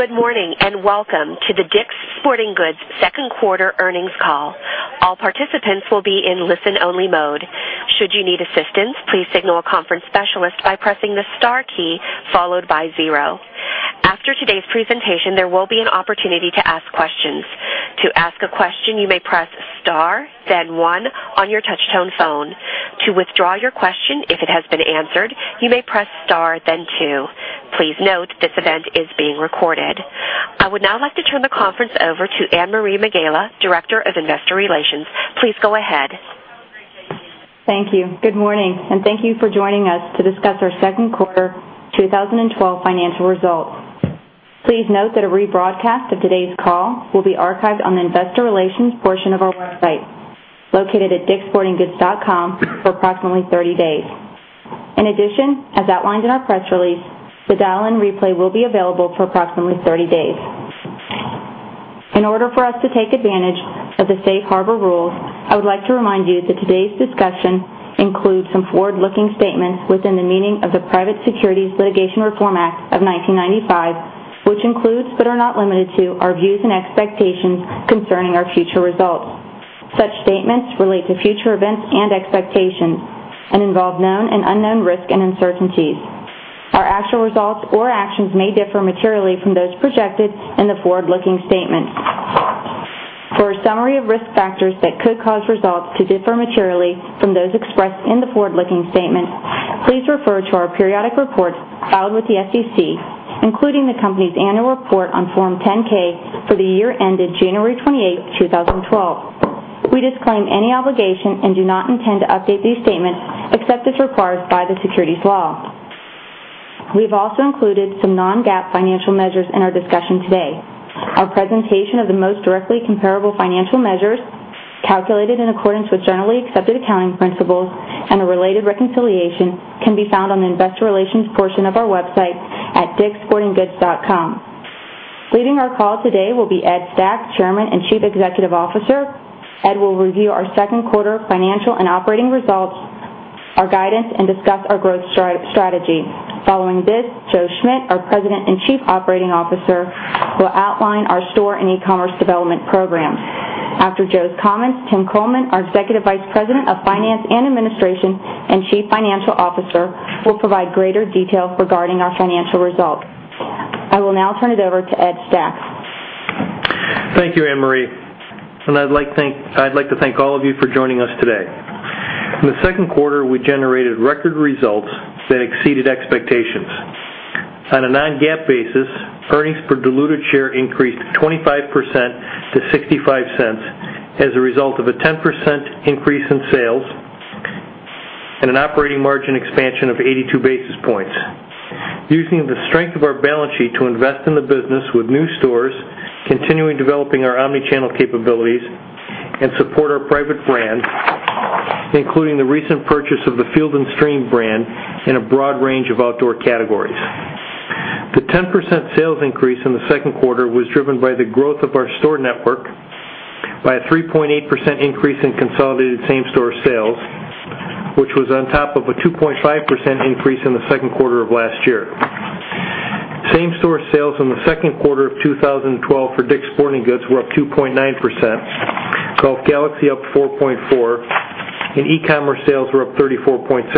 Good morning. Welcome to the DICK'S Sporting Goods second quarter earnings call. All participants will be in listen-only mode. Should you need assistance, please signal a conference specialist by pressing the star key, followed by zero. After today's presentation, there will be an opportunity to ask questions. To ask a question, you may press star, then one on your touch-tone phone. To withdraw your question, if it has been answered, you may press star, then two. Please note, this event is being recorded. I would now like to turn the conference over to Anne-Marie Megela, Director of Investor Relations. Please go ahead. Thank you. Good morning. Thank you for joining us to discuss our second quarter 2012 financial results. Please note that a rebroadcast of today's call will be archived on the investor relations portion of our website, located at dickssportinggoods.com, for approximately 30 days. In addition, as outlined in our press release, the dial-in replay will be available for approximately 30 days. In order for us to take advantage of the safe harbor rules, I would like to remind you that today's discussion includes some forward-looking statements within the meaning of the Private Securities Litigation Reform Act of 1995, which includes, are not limited to, our views and expectations concerning our future results. Such statements relate to future events and expectations and involve known and unknown risks and uncertainties. Our actual results or actions may differ materially from those projected in the forward-looking statement. For a summary of risk factors that could cause results to differ materially from those expressed in the forward-looking statement, please refer to our periodic reports filed with the SEC, including the company's annual report on Form 10-K for the year ended January 28, 2012. We disclaim any obligation and do not intend to update these statements except as required by the securities law. We've also included some non-GAAP financial measures in our discussion today. Our presentation of the most directly comparable financial measures, calculated in accordance with generally accepted accounting principles and a related reconciliation, can be found on the investor relations portion of our website at dickssportinggoods.com. Leading our call today will be Ed Stack, Chairman and Chief Executive Officer. Ed will review our second quarter financial and operating results, our guidance, discuss our growth strategy. Following this, Joe Schmidt, our President and Chief Operating Officer, will outline our store and e-commerce development program. After Joe's comments, Tim Coleman, our Executive Vice President of Finance and Administration and Chief Financial Officer, will provide greater details regarding our financial results. I will now turn it over to Ed Stack. Thank you, Anne-Marie. I'd like to thank all of you for joining us today. In the second quarter, we generated record results that exceeded expectations. On a non-GAAP basis, earnings per diluted share increased 25% to $0.65 as a result of a 10% increase in sales and an operating margin expansion of 82 basis points. Using the strength of our balance sheet to invest in the business with new stores, continuing developing our omnichannel capabilities, and support our private brand, including the recent purchase of the Field & Stream brand in a broad range of outdoor categories. The 10% sales increase in the second quarter was driven by the growth of our store network by a 3.8% increase in consolidated same-store sales, which was on top of a 2.5% increase in the second quarter of last year. Same-store sales in the second quarter of 2012 for DICK'S Sporting Goods were up 2.9%, Golf Galaxy up 4.4%, and e-commerce sales were up 34.6%.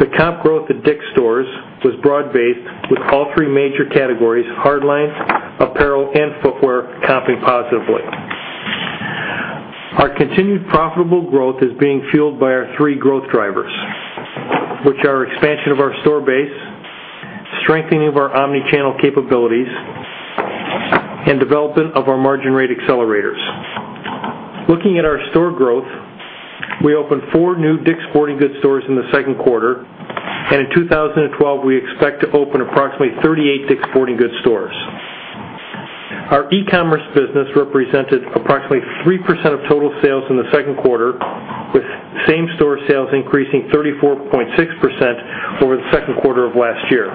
The comp growth at DICK'S stores was broad-based, with all three major categories, hardlines, apparel, and footwear comping positively. Our continued profitable growth is being fueled by our three growth drivers, which are expansion of our store base, strengthening of our omnichannel capabilities, and development of our margin rate accelerators. Looking at our store growth, we opened four new DICK'S Sporting Goods stores in the second quarter, and in 2012, we expect to open approximately 38 DICK'S Sporting Goods stores. Our e-commerce business represented approximately 3% of total sales in the second quarter, with same-store sales increasing 34.6% over the second quarter of last year.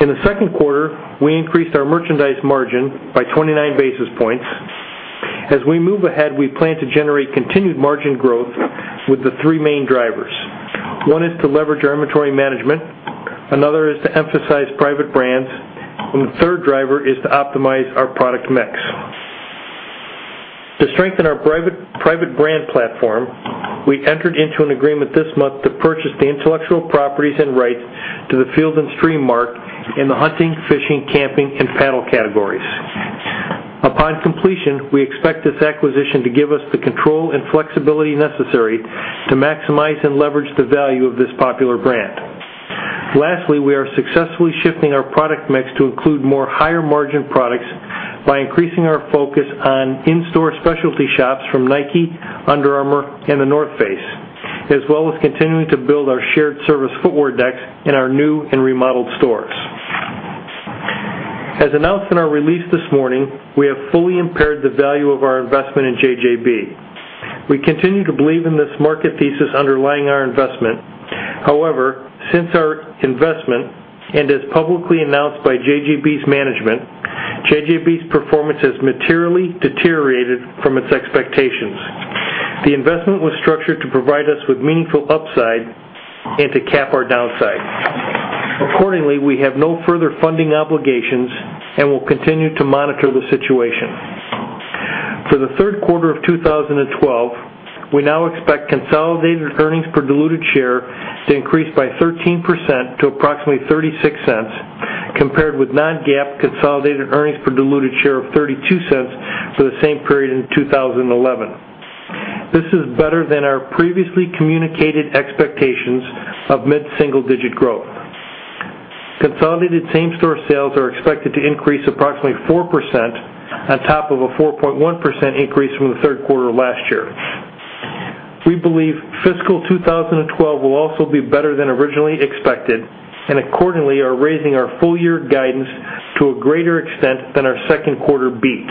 In the second quarter, we increased our merchandise margin by 29 basis points. As we move ahead, we plan to generate continued margin growth with the three main drivers. One is to leverage our inventory management, another is to emphasize private brands, and the third driver is to optimize our product mix. To strengthen our private brand platform, we entered into an agreement this month to purchase the intellectual properties and rights to the Field & Stream mark in the hunting, fishing, camping, and paddle categories. Upon completion, we expect this acquisition to give us the control and flexibility necessary to maximize and leverage the value of this popular brand. Lastly, we are successfully shifting our product mix to include more higher-margin products by increasing our focus on in-store specialty shops from Nike, Under Armour, and The North Face, as well as continuing to build our shared service footwear decks in our new and remodeled stores. As announced in our release this morning, we have fully impaired the value of our investment in JJB. We continue to believe in this market thesis underlying our investment. However, since our investment, and as publicly announced by JJB's management, JJB's performance has materially deteriorated from its expectations. The investment was structured to provide us with meaningful upside and to cap our downside. Accordingly, we have no further funding obligations and will continue to monitor the situation. For the third quarter of 2012, we now expect consolidated earnings per diluted share to increase by 13% to approximately $0.36, compared with non-GAAP consolidated earnings per diluted share of $0.32 for the same period in 2011. This is better than our previously communicated expectations of mid-single digit growth. Consolidated same-store sales are expected to increase approximately 4% on top of a 4.1% increase from the third quarter last year. We believe fiscal 2012 will also be better than originally expected, and accordingly, are raising our full year guidance to a greater extent than our second quarter beat.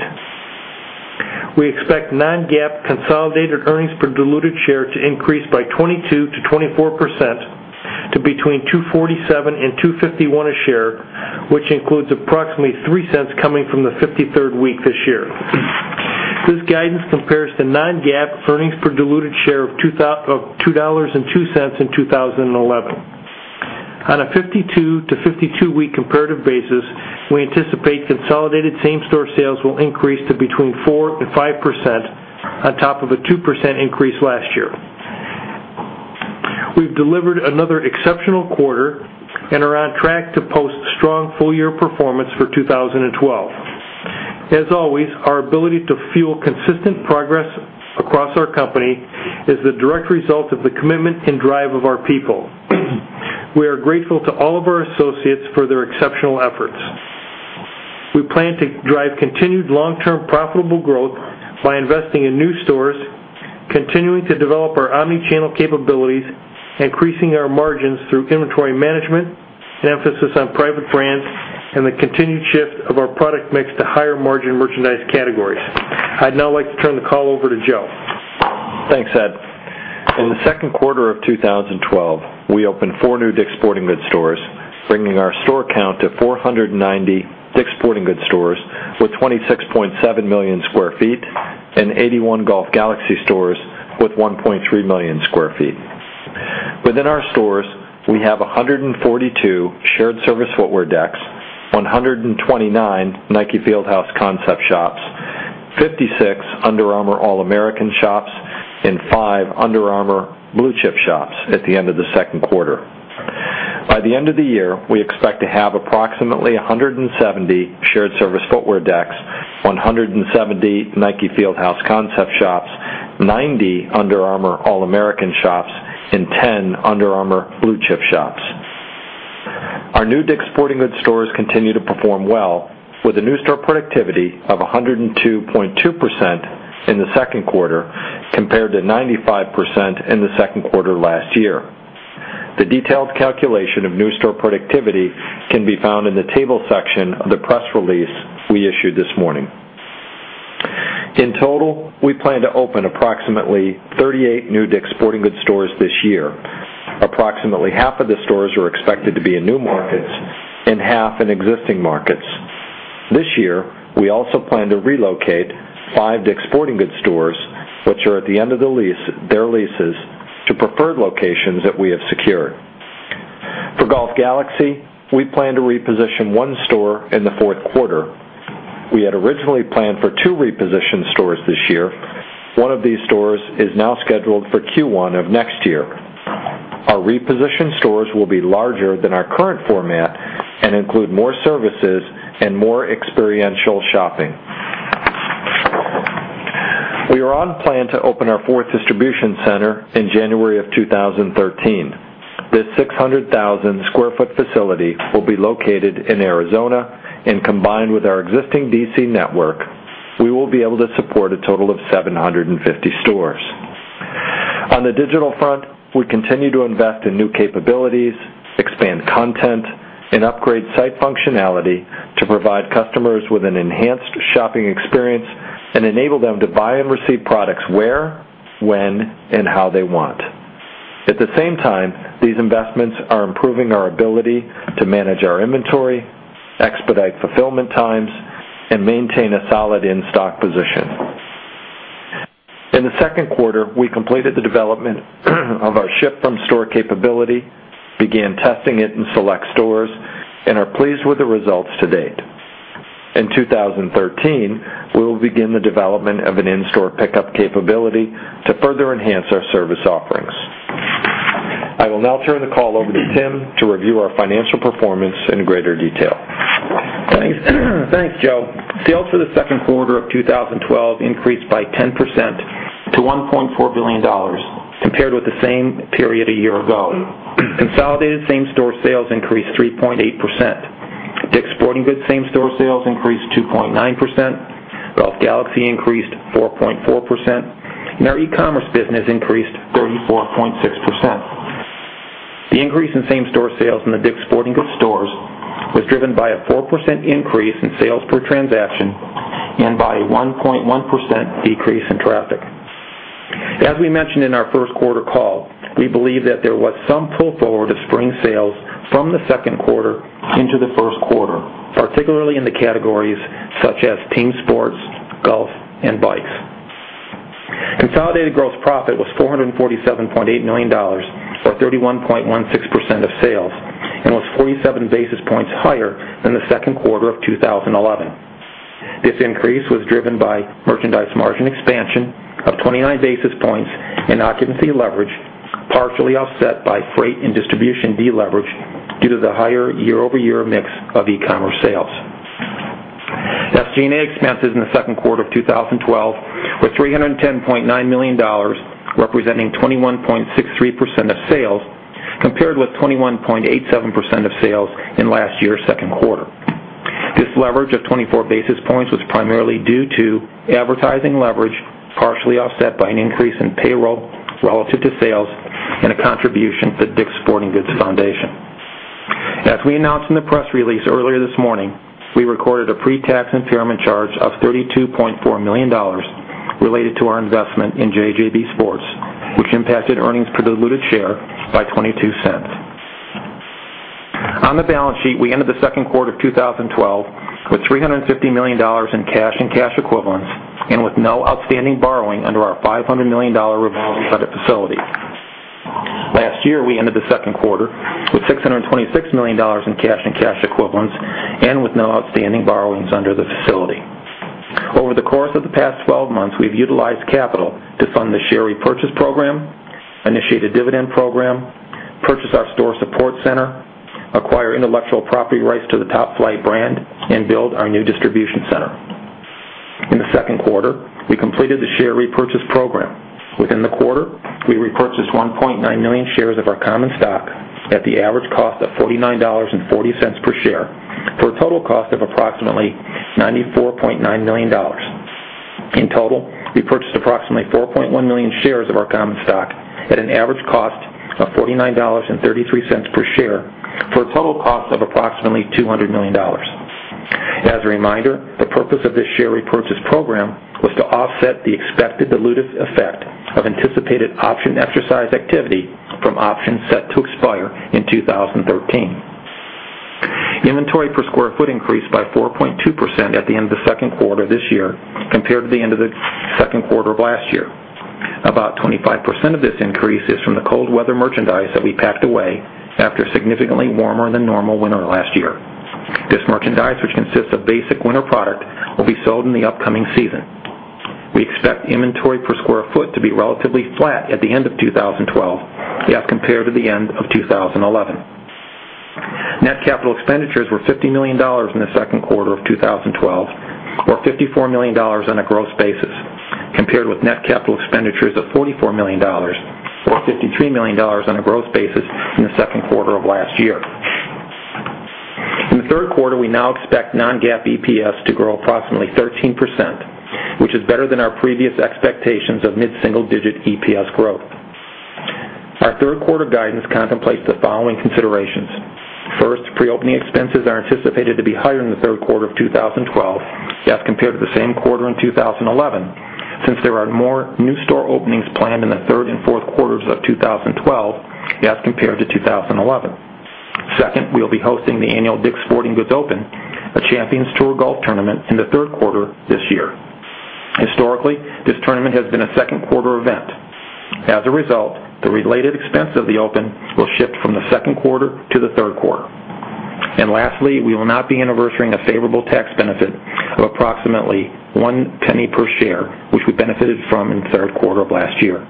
We expect non-GAAP consolidated earnings per diluted share to increase by 22%-24% to between $2.47 and $2.51 a share, which includes approximately $0.03 coming from the 53rd week this year. This guidance compares to non-GAAP earnings per diluted share of $2.02 in 2011. On a 52 to 52-week comparative basis, we anticipate consolidated same-store sales will increase to between 4% and 5% on top of a 2% increase last year. We've delivered another exceptional quarter and are on track to post strong full year performance for 2012. As always, our ability to fuel consistent progress across our company is the direct result of the commitment and drive of our people. We are grateful to all of our associates for their exceptional efforts. We plan to drive continued long-term profitable growth by investing in new stores, continuing to develop our omni-channel capabilities, increasing our margins through inventory management and emphasis on private brands, and the continued shift of our product mix to higher margin merchandise categories. I'd now like to turn the call over to Joe. Thanks, Ed. In the second quarter of 2012, we opened four new DICK'S Sporting Goods stores, bringing our store count to 490 DICK'S Sporting Goods stores with 26.7 million sq ft and 81 Golf Galaxy stores with 1.3 million sq ft. Within our stores, we have 142 shared service footwear decks, 129 Nike Field House concept shops, 56 Under Armour All-American shops, and five Under Armour Blue Chip shops at the end of the second quarter. By the end of the year, we expect to have approximately 170 shared service footwear decks, 170 Nike Field House concept shops, 90 Under Armour All-American shops, and 10 Under Armour Blue Chip shops. Our new DICK'S Sporting Goods stores continue to perform well with a new store productivity of 102.2% in the second quarter, compared to 95% in the second quarter last year. The detailed calculation of new store productivity can be found in the table section of the press release we issued this morning. In total, we plan to open approximately 38 new DICK'S Sporting Goods stores this year. Approximately half of the stores are expected to be in new markets and half in existing markets. This year, we also plan to relocate five DICK'S Sporting Goods stores, which are at the end of their leases, to preferred locations that we have secured. For Golf Galaxy, we plan to reposition one store in the fourth quarter. We had originally planned for two reposition stores this year. One of these stores is now scheduled for Q1 of next year. Our reposition stores will be larger than our current format and include more services and more experiential shopping. We are on plan to open our fourth distribution center in January of 2013. This 600,000 square foot facility will be located in Arizona, and combined with our existing DC network, we will be able to support a total of 750 stores. On the digital front, we continue to invest in new capabilities, expand content, and upgrade site functionality to provide customers with an enhanced shopping experience and enable them to buy and receive products where, when, and how they want. At the same time, these investments are improving our ability to manage our inventory, expedite fulfillment times, and maintain a solid in-stock position. In the second quarter, we completed the development of our ship-from-store capability, began testing it in select stores, and are pleased with the results to date. In 2013, we will begin the development of an in-store pickup capability to further enhance our service offerings. I will now turn the call over to Tim to review our financial performance in greater detail. Thanks, Joe. Sales for the second quarter of 2012 increased by 10% to $1.4 billion compared with the same period a year ago. Consolidated same-store sales increased 3.8%. DICK'S Sporting Goods same-store sales increased 2.9%, Golf Galaxy increased 4.4%, and our e-commerce business increased 34.6%. The increase in same-store sales in the DICK'S Sporting Goods stores was driven by a 4% increase in sales per transaction and by a 1.1% decrease in traffic. As we mentioned in our first quarter call, we believe that there was some pull forward of spring sales from the second quarter into the first quarter, particularly in the categories such as team sports, golf, and bikes. Consolidated gross profit was $447.8 million, or 31.16% of sales, and was 47 basis points higher than the second quarter of 2011. This increase was driven by merchandise margin expansion of 29 basis points and occupancy leverage, partially offset by freight and distribution deleverage due to the higher year-over-year mix of e-commerce sales. SG&A expenses in the second quarter of 2012 were $310.9 million, representing 21.63% of sales, compared with 21.87% of sales in last year's second quarter. This leverage of 24 basis points was primarily due to advertising leverage, partially offset by an increase in payroll relative to sales and a contribution to The DICK'S Sporting Goods Foundation. As we announced in the press release earlier this morning, we recorded a pre-tax impairment charge of $32.4 million related to our investment in JJB Sports, which impacted earnings per diluted share by $0.22. On the balance sheet, we ended the second quarter of 2012 with $350 million in cash and cash equivalents and with no outstanding borrowing under our $500 million revolving credit facility. Last year, we ended the second quarter with $626 million in cash and cash equivalents and with no outstanding borrowings under the facility. Over the course of the past 12 months, we've utilized capital to fund the share repurchase program, initiate a dividend program, purchase our store support center, acquire intellectual property rights to the Top-Flite brand, and build our new distribution center. In the second quarter, we completed the share repurchase program. Within the quarter, we repurchased 1.9 million shares of our common stock at the average cost of $49.40 per share, for a total cost of approximately $94.9 million. In total, we purchased approximately 4.1 million shares of our common stock at an average cost of $49.33 per share, for a total cost of approximately $200 million. As a reminder, the purpose of this share repurchase program was to offset the expected dilutive effect of anticipated option exercise activity from options set to expire in 2013. Inventory per square foot increased by 4.2% at the end of the second quarter this year compared to the end of the second quarter of last year. About 25% of this increase is from the cold weather merchandise that we packed away after a significantly warmer-than-normal winter last year. This merchandise, which consists of basic winter product, will be sold in the upcoming season. We expect inventory per square foot to be relatively flat at the end of 2012 as compared to the end of 2011. Net capital expenditures were $50 million in the second quarter of 2012, or $54 million on a gross basis, compared with net capital expenditures of $44 million, or $53 million on a gross basis, in the second quarter of last year. In the third quarter, we now expect non-GAAP EPS to grow approximately 13%, which is better than our previous expectations of mid-single-digit EPS growth. Our third quarter guidance contemplates the following considerations. First, pre-opening expenses are anticipated to be higher in the third quarter of 2012 as compared to the same quarter in 2011, since there are more new store openings planned in the third and fourth quarters of 2012 as compared to 2011. Second, we will be hosting the annual DICK'S Sporting Goods Open, a Champions Tour golf tournament, in the third quarter this year. Historically, this tournament has been a second quarter event. Lastly, we will not be anniversarying a favorable tax benefit of approximately $0.01 per share, which we benefited from in the third quarter of last year.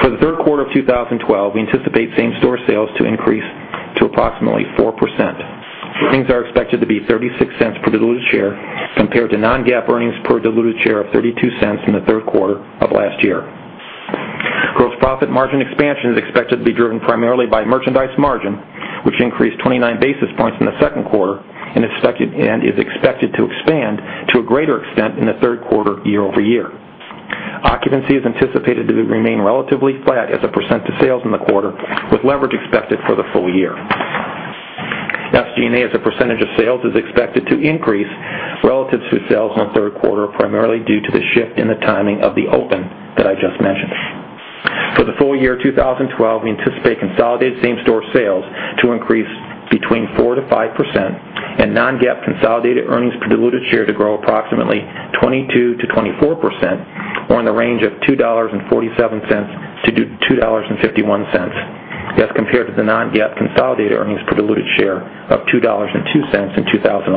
For the third quarter of 2012, we anticipate same-store sales to increase to approximately 4%. Earnings are expected to be $0.36 per diluted share, compared to non-GAAP earnings per diluted share of $0.32 in the third quarter of last year. Gross profit margin expansion is expected to be driven primarily by merchandise margin, which increased 29 basis points in the second quarter and is expected to expand to a greater extent in the third quarter year-over-year. Occupancy is anticipated to remain relatively flat as a % of sales in the quarter, with leverage expected for the full year. SG&A as a percentage of sales is expected to increase relative to sales in the third quarter, primarily due to the shift in the timing of the DICK'S Sporting Goods Open that I just mentioned. For the full year 2012, we anticipate consolidated same-store sales to increase between 4%-5% and non-GAAP consolidated earnings per diluted share to grow approximately 22%-24%, or in the range of $2.47-$2.51, as compared to the non-GAAP consolidated earnings per diluted share of $2.02 in 2011.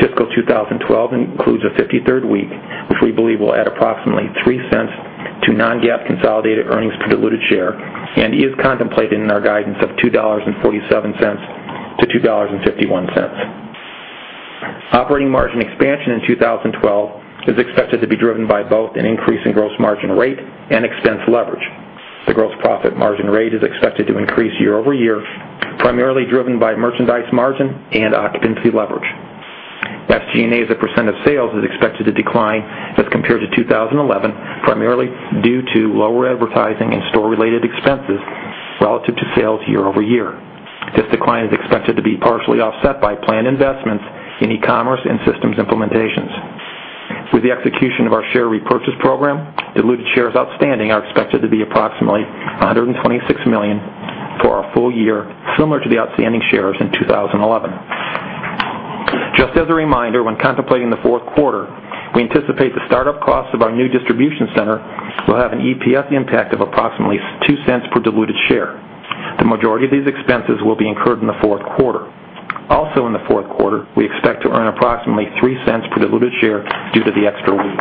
Fiscal 2012 includes a 53rd week, which we believe will add approximately $0.03 to non-GAAP consolidated earnings per diluted share and is contemplated in our guidance of $2.47-$2.51. Operating margin expansion in 2012 is expected to be driven by both an increase in gross margin rate and expense leverage. The gross profit margin rate is expected to increase year-over-year, primarily driven by merchandise margin and occupancy leverage. SG&A as a percent of sales is expected to decline as compared to 2011, primarily due to lower advertising and store-related expenses relative to sales year-over-year. This decline is expected to be partially offset by planned investments in e-commerce and systems implementations. With the execution of our share repurchase program, diluted shares outstanding are expected to be approximately 126 million for our full year, similar to the outstanding shares in 2011. Just as a reminder, when contemplating the fourth quarter, we anticipate the startup costs of our new distribution center will have an EPS impact of approximately $0.02 per diluted share. The majority of these expenses will be incurred in the fourth quarter. Also in the fourth quarter, we expect to earn approximately $0.03 per diluted share due to the extra week.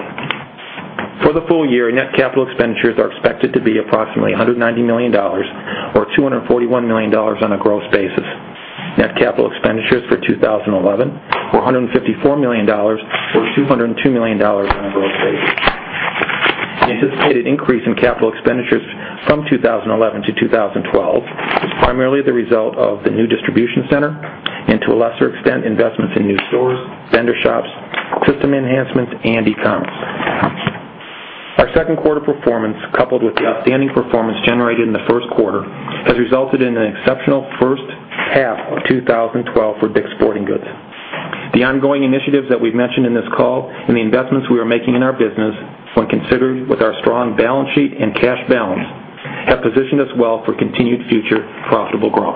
For the full year, net capital expenditures are expected to be approximately $190 million or $241 million on a gross basis. Net capital expenditures for 2011 were $154 million or $202 million on a gross basis. The anticipated increase in capital expenditures from 2011 to 2012 is primarily the result of the new distribution center and, to a lesser extent, investments in new stores, vendor shops, system enhancements, and e-com. Our second quarter performance, coupled with the outstanding performance generated in the first quarter, has resulted in an exceptional first half of 2012 for DICK'S Sporting Goods. The ongoing initiatives that we've mentioned in this call and the investments we are making in our business, when considered with our strong balance sheet and cash balance, have positioned us well for continued future profitable growth.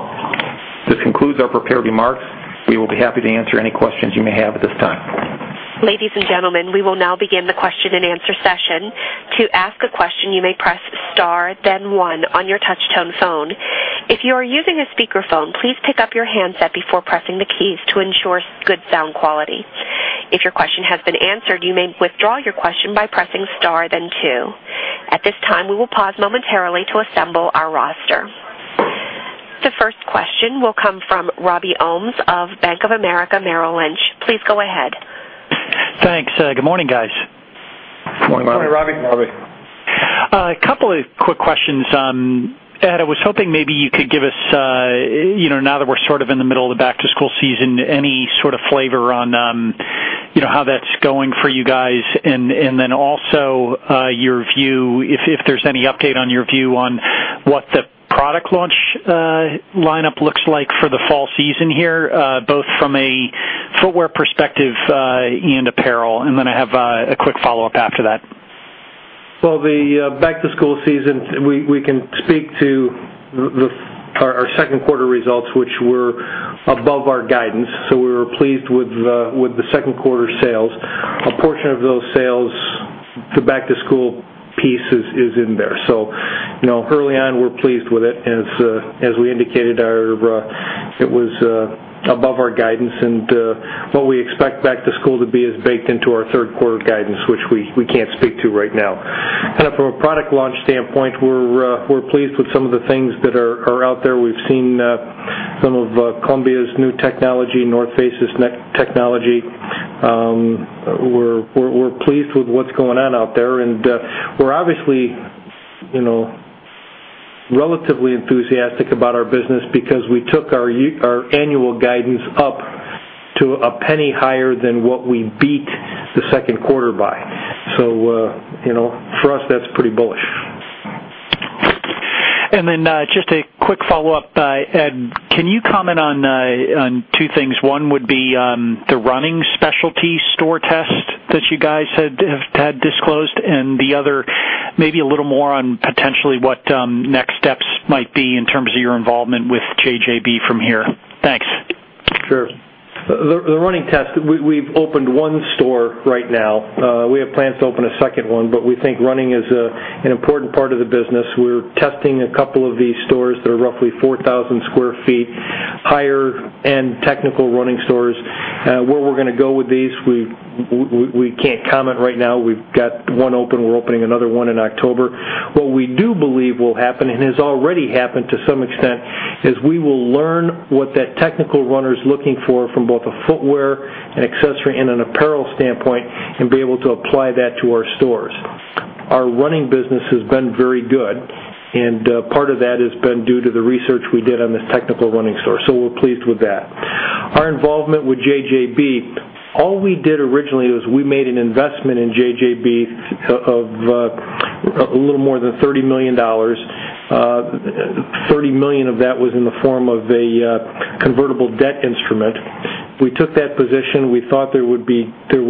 This concludes our prepared remarks. We will be happy to answer any questions you may have at this time. Ladies and gentlemen, we will now begin the question and answer session. To ask a question, you may press star then one on your touchtone phone. If you are using a speakerphone, please pick up your handset before pressing the keys to ensure good sound quality. If your question has been answered, you may withdraw your question by pressing star then two. At this time, we will pause momentarily to assemble our roster. The first question will come from Robbie Ohmes of Bank of America Merrill Lynch. Please go ahead. Thanks. Good morning, guys. Morning, Robbie. A couple of quick questions. Ed, I was hoping maybe you could give us, now that we're sort of in the middle of the back-to-school season, any sort of flavor on how that's going for you guys, and then also if there's any update on your view on what the product launch lineup looks like for the fall season here, both from a footwear perspective and apparel. Then I have a quick follow-up after that. Well, the back-to-school season, we can speak to our second quarter results, which were above our guidance. We were pleased with the second quarter sales. A portion of those sales, the back-to-school piece is in there. Early on, we're pleased with it. As we indicated, it was above our guidance and what we expect back to school to be is baked into our third quarter guidance, which we can't speak to right now. From a product launch standpoint, we're pleased with some of the things that are out there. We've seen some of Columbia's new technology, North Face's technology. We're pleased with what's going on out there, and we're obviously relatively enthusiastic about our business because we took our annual guidance up to $0.01 higher than what we beat the second quarter by. For us, that's pretty bullish. Just a quick follow-up, Ed. Can you comment on two things? One would be the running specialty store test that you guys had disclosed, and the other maybe a little more on potentially what next steps might be in terms of your involvement with JJB from here. Thanks. Sure. The running test, we've opened one store right now. We have plans to open a second one, but we think running is an important part of the business. We're testing a couple of these stores that are roughly 4,000 sq ft, higher-end technical running stores. Where we're going to go with these, we can't comment right now. We've got one open. We're opening another one in October. What we do believe will happen, and has already happened to some extent, is we will learn what that technical runner is looking for from both a footwear, an accessory, and an apparel standpoint and be able to apply that to our stores. Our running business has been very good, and part of that has been due to the research we did on this technical running store, we're pleased with that. Our involvement with JJB, all we did originally was we made an investment in JJB of a little more than $30 million. $30 million of that was in the form of a convertible debt instrument. We took that position. We thought there was potential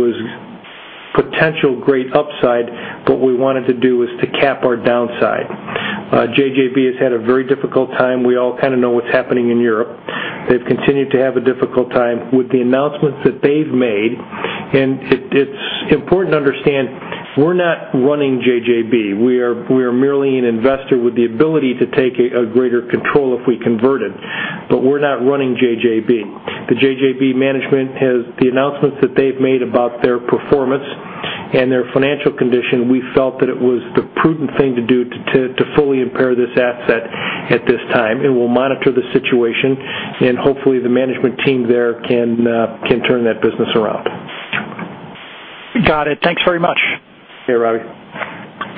great upside. What we wanted to do was to cap our downside. JJB has had a very difficult time. We all kind of know what's happening in Europe. They've continued to have a difficult time with the announcements that they've made. It's important to understand we're not running JJB. We are merely an investor with the ability to take a greater control if we converted. We're not running JJB. The JJB management, the announcements that they've made about their performance and their financial condition, we felt that it was the prudent thing to do to fully impair this asset at this time, and we'll monitor the situation and hopefully the management team there can turn that business around. Got it. Thanks very much. Okay, Robbie.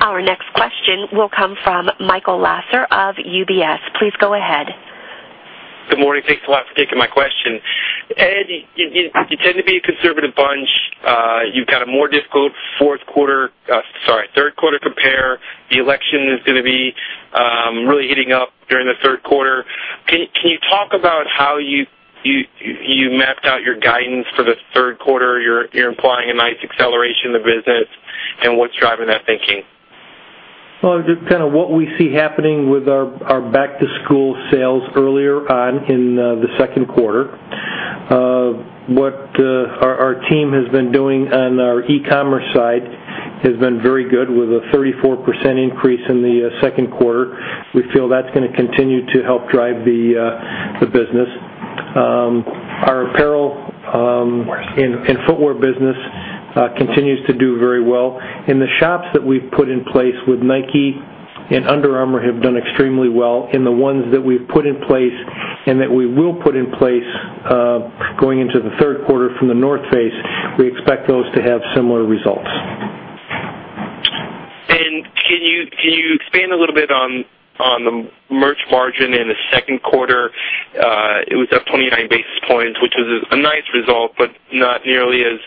Our next question will come from Michael Lasser of UBS. Please go ahead. Good morning. Thanks a lot for taking my question. Ed, you tend to be a conservative bunch. You've got a more difficult third quarter compare. The election is going to be really heating up during the third quarter. Can you talk about how you mapped out your guidance for the third quarter? You're implying a nice acceleration of business and what's driving that thinking? Well, just what we see happening with our back-to-school sales earlier on in the second quarter. What our team has been doing on our e-commerce side has been very good, with a 34% increase in the second quarter. We feel that's going to continue to help drive the business. Our apparel and footwear business continues to do very well. The shops that we've put in place with Nike and Under Armour have done extremely well, and the ones that we've put in place and that we will put in place going into the third quarter from The North Face, we expect those to have similar results. Can you expand a little bit on the merch margin in the second quarter? It was up 29 basis points, which is a nice result, but not nearly as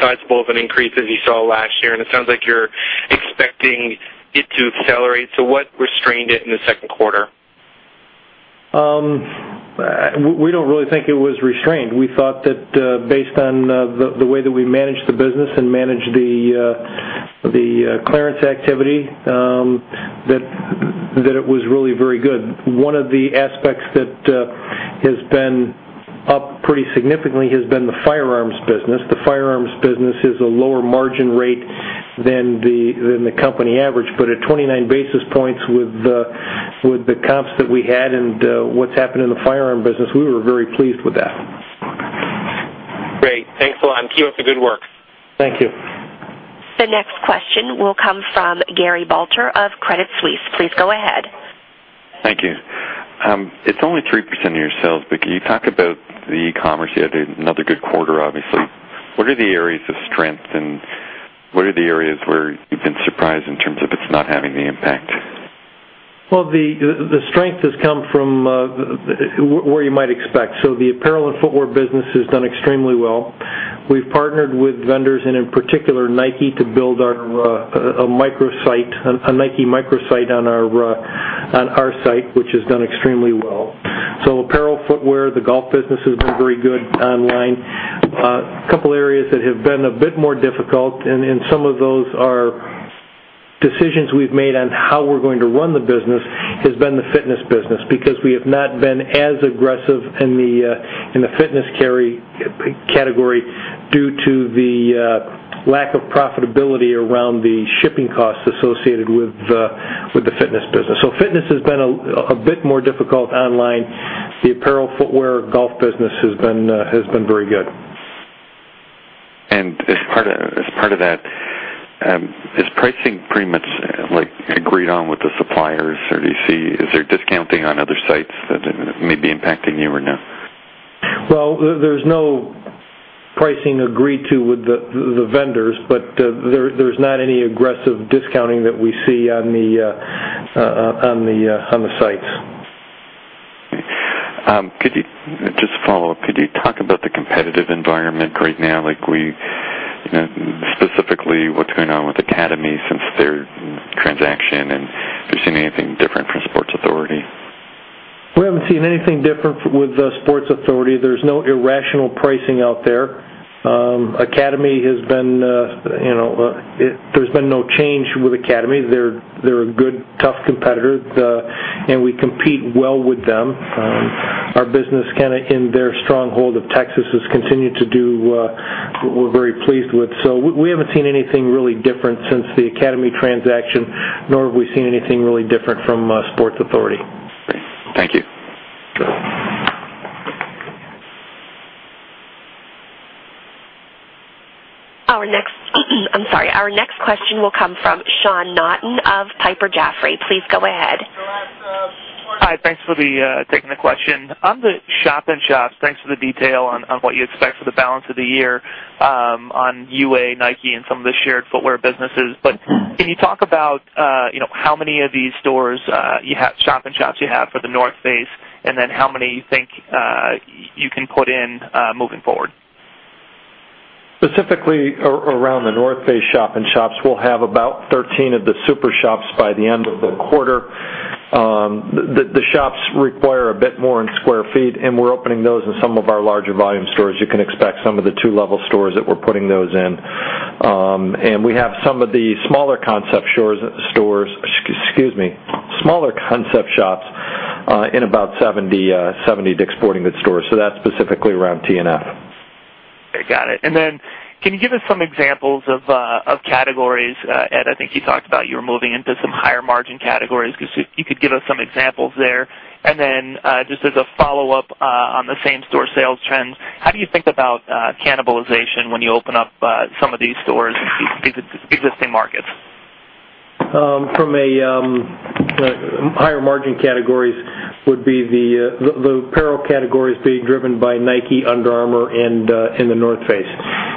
sizable of an increase as you saw last year, and it sounds like you're expecting it to accelerate. What restrained it in the second quarter? We don't really think it was restrained. We thought that based on the way that we managed the business and managed the clearance activity, that it was really very good. One of the aspects that has been up pretty significantly has been the firearms business. The firearms business is a lower margin rate than the company average. At 29 basis points with the comps that we had and what's happened in the firearm business, we were very pleased with that. Great. Thanks a lot. Keep up the good work. Thank you. The next question will come from Gary Balter of Credit Suisse. Please go ahead. Thank you. It's only 3% of your sales. Can you talk about the e-commerce? You had another good quarter, obviously. What are the areas of strength, and what are the areas where you've been surprised in terms of it not having the impact? The strength has come from where you might expect. The apparel and footwear business has done extremely well. We've partnered with vendors, and in particular, Nike, to build a Nike microsite on our site, which has done extremely well. Apparel, footwear, the golf business has been very good online. A couple areas that have been a bit more difficult, and some of those are decisions we've made on how we're going to run the business, has been the fitness business, because we have not been as aggressive in the fitness category due to the lack of profitability around the shipping costs associated with the fitness business. Fitness has been a bit more difficult online. The apparel, footwear, golf business has been very good. As part of that, is pricing pretty much agreed on with the suppliers, or is there discounting on other sites that may be impacting you or no? There's no pricing agreed to with the vendors, but there's not any aggressive discounting that we see on the sites. Just a follow-up. Could you talk about the competitive environment right now? Specifically, what's going on with Academy since their transaction, and have you seen anything different from Sports Authority? We haven't seen anything different with Sports Authority. There's no irrational pricing out there. There's been no change with Academy. They're a good, tough competitor. We compete well with them. Our business in their stronghold of Texas has continued to do what we're very pleased with. We haven't seen anything really different since the Academy transaction, nor have we seen anything really different from Sports Authority. Great. Thank you. Sure. Our next question will come from Sean Naughton of Piper Jaffray. Please go ahead. Hi. Thanks for taking the question. On the shop-in-shops, thanks for the detail on what you expect for the balance of the year on UA, Nike, and some of the shared footwear businesses. Can you talk about how many of these shop-in-shops you have for The North Face, and then how many you think you can put in moving forward? Specifically around The North Face shop-in-shops, we'll have about 13 of the super shops by the end of the quarter. The shops require a bit more in sq ft, and we're opening those in some of our larger volume stores. You can expect some of the two-level stores that we're putting those in. We have some of the smaller concept shops in about 70 DICK’S Sporting Goods stores. That's specifically around TNF. Got it. Then can you give us some examples of categories, Ed? I think you talked about you were moving into some higher margin categories. If you could give us some examples there. Then, just as a follow-up on the same-store sales trends, how do you think about cannibalization when you open up some of these stores in existing markets? From a higher margin categories would be the apparel categories being driven by Nike, Under Armour, and The North Face.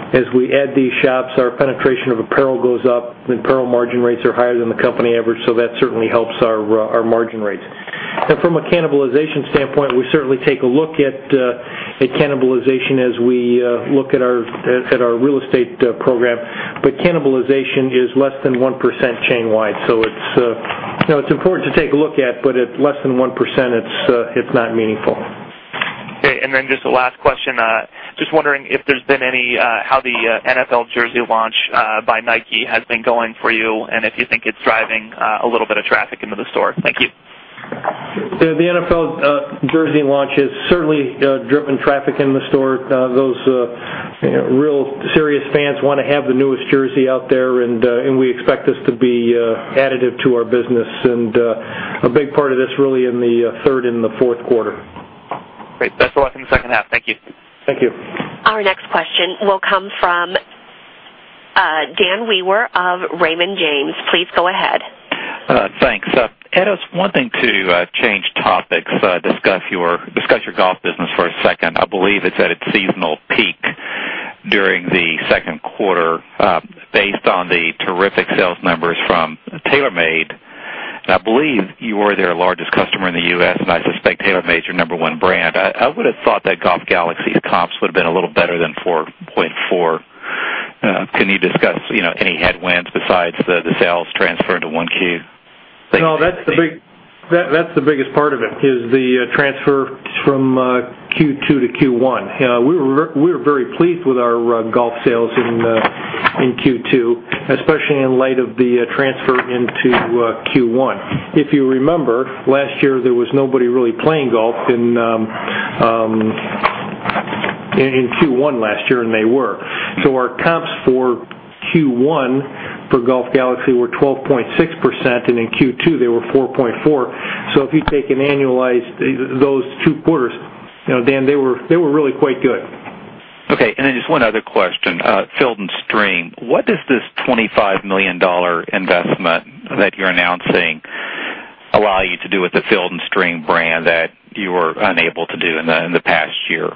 As we add these shops, our penetration of apparel goes up, apparel margin rates are higher than the company average, that certainly helps our margin rates. From a cannibalization standpoint, we certainly take a look at cannibalization as we look at our real estate program. Cannibalization is less than 1% chain-wide. It's important to take a look at, but at less than 1%, it's not meaningful. Okay. Then just a last question. Just wondering how the NFL jersey launch by Nike has been going for you, and if you think it's driving a little bit of traffic into the store. Thank you. The NFL jersey launch has certainly driven traffic in the store. Those real serious fans want to have the newest jersey out there, and we expect this to be additive to our business and a big part of this really in the third and the fourth quarter. Great. Best of luck in the second half. Thank you. Thank you. Our next question will come from Dan Wewer of Raymond James. Please go ahead. Thanks. Edward Stack, I was wanting to change topics, discuss your golf business for a second. I believe it's at its seasonal peak during the second quarter based on the terrific sales numbers from TaylorMade. I believe you are their largest customer in the U.S., and I suspect TaylorMade's your number one brand. I would've thought that Golf Galaxy comps would've been a little better than 4.4%. Can you discuss any headwinds besides the sales transfer into Q1? Thanks. No, that's the biggest part of it, is the transfer from Q2 to Q1. We were very pleased with our golf sales in Q2, especially in light of the transfer into Q1. If you remember, last year, there was nobody really playing golf in Q1 last year, and they were. Our comps for Q1 for Golf Galaxy were 12.6%, and in Q2, they were 4.4%. If you take and annualize those two quarters, Dan, they were really quite good. Okay. Then just one other question. Field & Stream. What does this $25 million investment that you're announcing allow you to do with the Field & Stream brand that you were unable to do in the past year?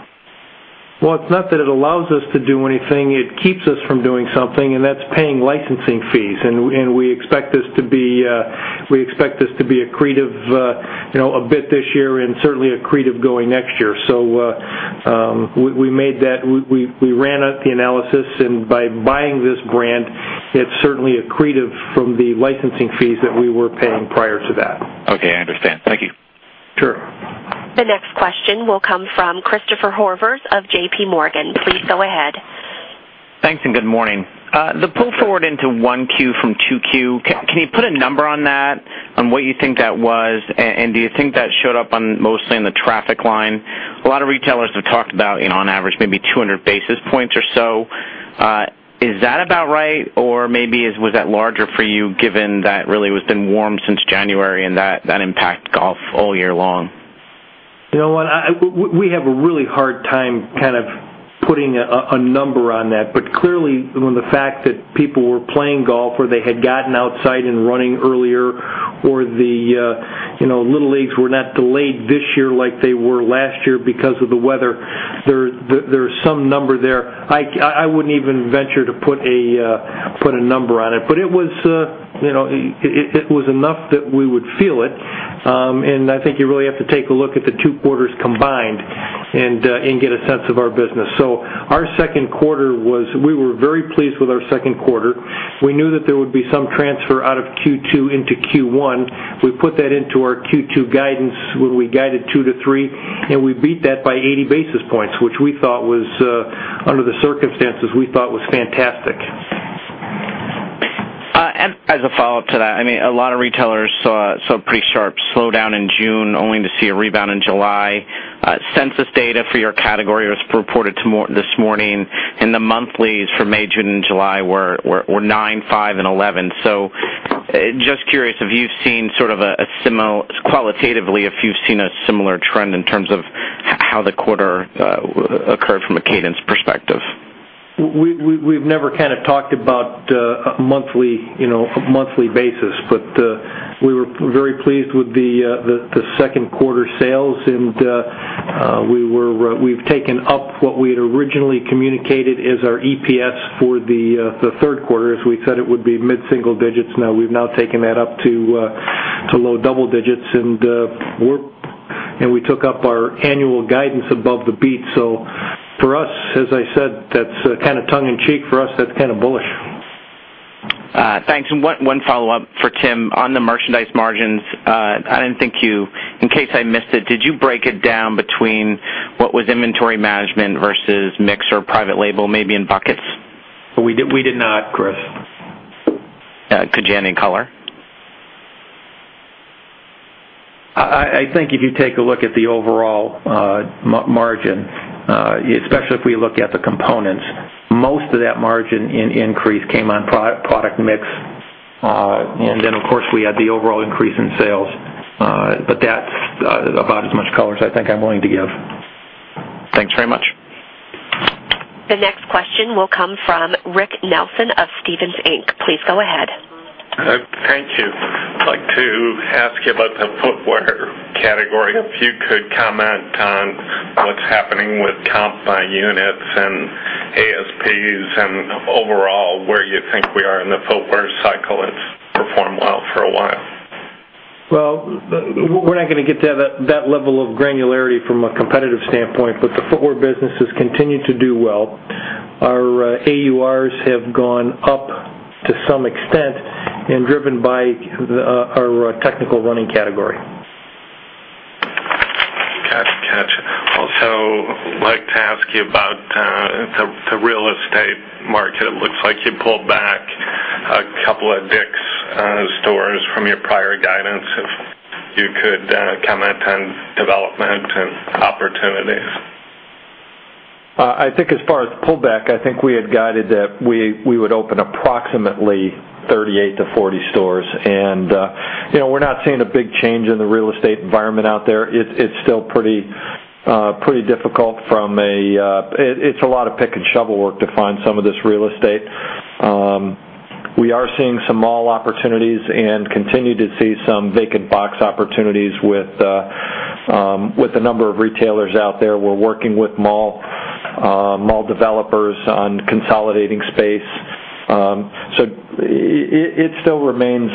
Well, it's not that it allows us to do anything. It keeps us from doing something, and that's paying licensing fees. We expect this to be accretive a bit this year and certainly accretive going next year. We made that. We ran out the analysis, and by buying this brand, it's certainly accretive from the licensing fees that we were paying prior to that. Okay, I understand. Thank you. Sure. The next question will come from Christopher Horvers of JPMorgan. Please go ahead. Thanks. Good morning. The pull forward into 1Q from 2Q, can you put a number on that, on what you think that was, and do you think that showed up mostly in the traffic line? A lot of retailers have talked about, on average, maybe 200 basis points or so. Is that about right, or maybe was that larger for you given that really it has been warm since January and that impacted golf all year long? You know what? We have a really hard time kind of putting a number on that. Clearly, the fact that people were playing golf, or they had gotten outside and running earlier, or the little leagues were not delayed this year like they were last year because of the weather, there's some number there. I wouldn't even venture to put a number on it. It was enough that we would feel it. I think you really have to take a look at the two quarters combined and get a sense of our business. We were very pleased with our second quarter. We knew that there would be some transfer out of Q2 into Q1. We put that into our Q2 guidance when we guided two to three, and we beat that by 80 basis points, which under the circumstances, we thought was fantastic. As a follow-up to that, a lot of retailers saw a pretty sharp slowdown in June, only to see a rebound in July. Census data for your category was reported this morning, the monthlies for May, June, and July were 9, 5, and 11. Just curious, qualitatively, if you've seen a similar trend in terms of how the quarter occurred from a cadence perspective. We've never kind of talked about a monthly basis. We were very pleased with the second quarter sales, we've taken up what we had originally communicated as our EPS for the third quarter, as we said it would be mid-single digits. We've now taken that up to low double digits, we took up our annual guidance above the beat. For us, as I said, that's kind of tongue in cheek. For us, that's kind of bullish. Thanks. One follow-up for Tim. On the merchandise margins, in case I missed it, did you break it down between what was inventory management versus mix or private label, maybe in buckets? We did not, Chris. Could you add any color? I think if you take a look at the overall margin, especially if we look at the components, most of that margin increase came on product mix. Okay. Of course, we had the overall increase in sales. That's about as much color as I think I'm willing to give. Thanks very much. The next question will come from Rick Nelson of Stephens Inc. Please go ahead. Thank you. I'd like to ask you about the footwear category. If you could comment on what's happening with comp by units and ASPs and overall, where you think we are in the footwear cycle. It's performed well for a while. Well, we're not going to get to that level of granularity from a competitive standpoint, but the footwear business has continued to do well. Our AURs have gone up to some extent and driven by our technical running category. Got you. I'd like to ask you about the real estate market. It looks like you pulled back a couple of DICK'S stores from your prior guidance. If you could comment on development and opportunities. I think as far as pullback, I think we had guided that we would open approximately 38 to 40 stores. We're not seeing a big change in the real estate environment out there. It's still pretty difficult. It's a lot of pick and shovel work to find some of this real estate. We are seeing some mall opportunities and continue to see some vacant box opportunities with a number of retailers out there. We're working with mall developers on consolidating space. It still remains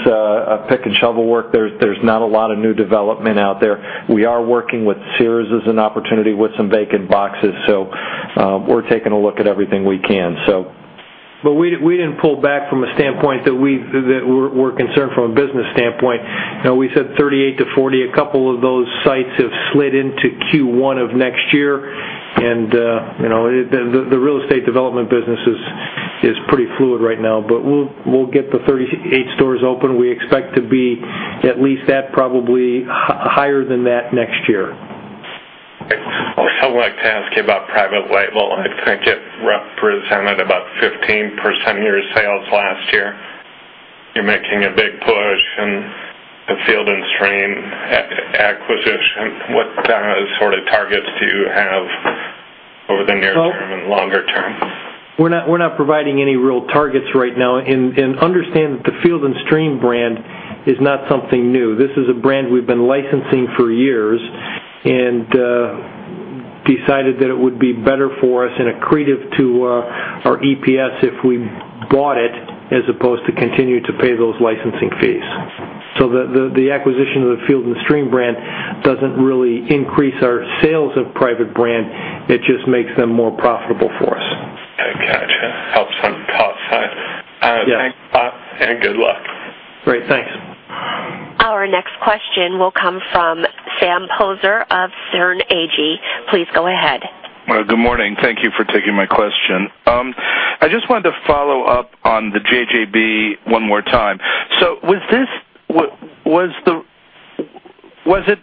pick and shovel work. There's not a lot of new development out there. We are working with Sears as an opportunity with some vacant boxes. We're taking a look at everything we can. We didn't pull back from a standpoint that we're concerned from a business standpoint. We said 38 to 40. A couple of those sites have slid into Q1 of next year. The real estate development business is pretty fluid right now. We'll get the 38 stores open. We expect to be at least that, probably higher than that next year. Okay. Also wanted to ask you about private label. I think it represented about 15% of your sales last year. You're making a big push in the Field & Stream acquisition. What sort of targets do you have over the near term and longer term? We're not providing any real targets right now. Understand that the Field & Stream brand is not something new. This is a brand we've been licensing for years and decided that it would be better for us and accretive to our EPS if we bought it as opposed to continue to pay those licensing fees. The acquisition of the Field & Stream brand doesn't really increase our sales of private brand. It just makes them more profitable for us. Okay, gotcha. Helps on cost side. Yes. Thanks, Bob, and good luck. Great. Thanks. Our next question will come from Sam Poser of Sterne Agee. Please go ahead. Good morning. Thank you for taking my question. I just wanted to follow up on the JJB one more time. Was it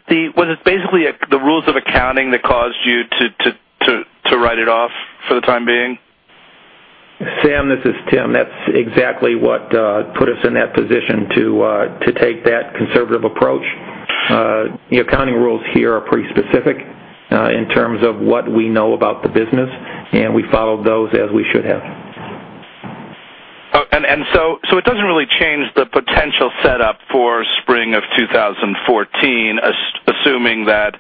basically the rules of accounting that caused you to write it off for the time being? Sam, this is Tim. That's exactly what put us in that position to take that conservative approach. The accounting rules here are pretty specific, in terms of what we know about the business, and we followed those as we should have. It doesn't really change the potential setup for spring of 2014, assuming that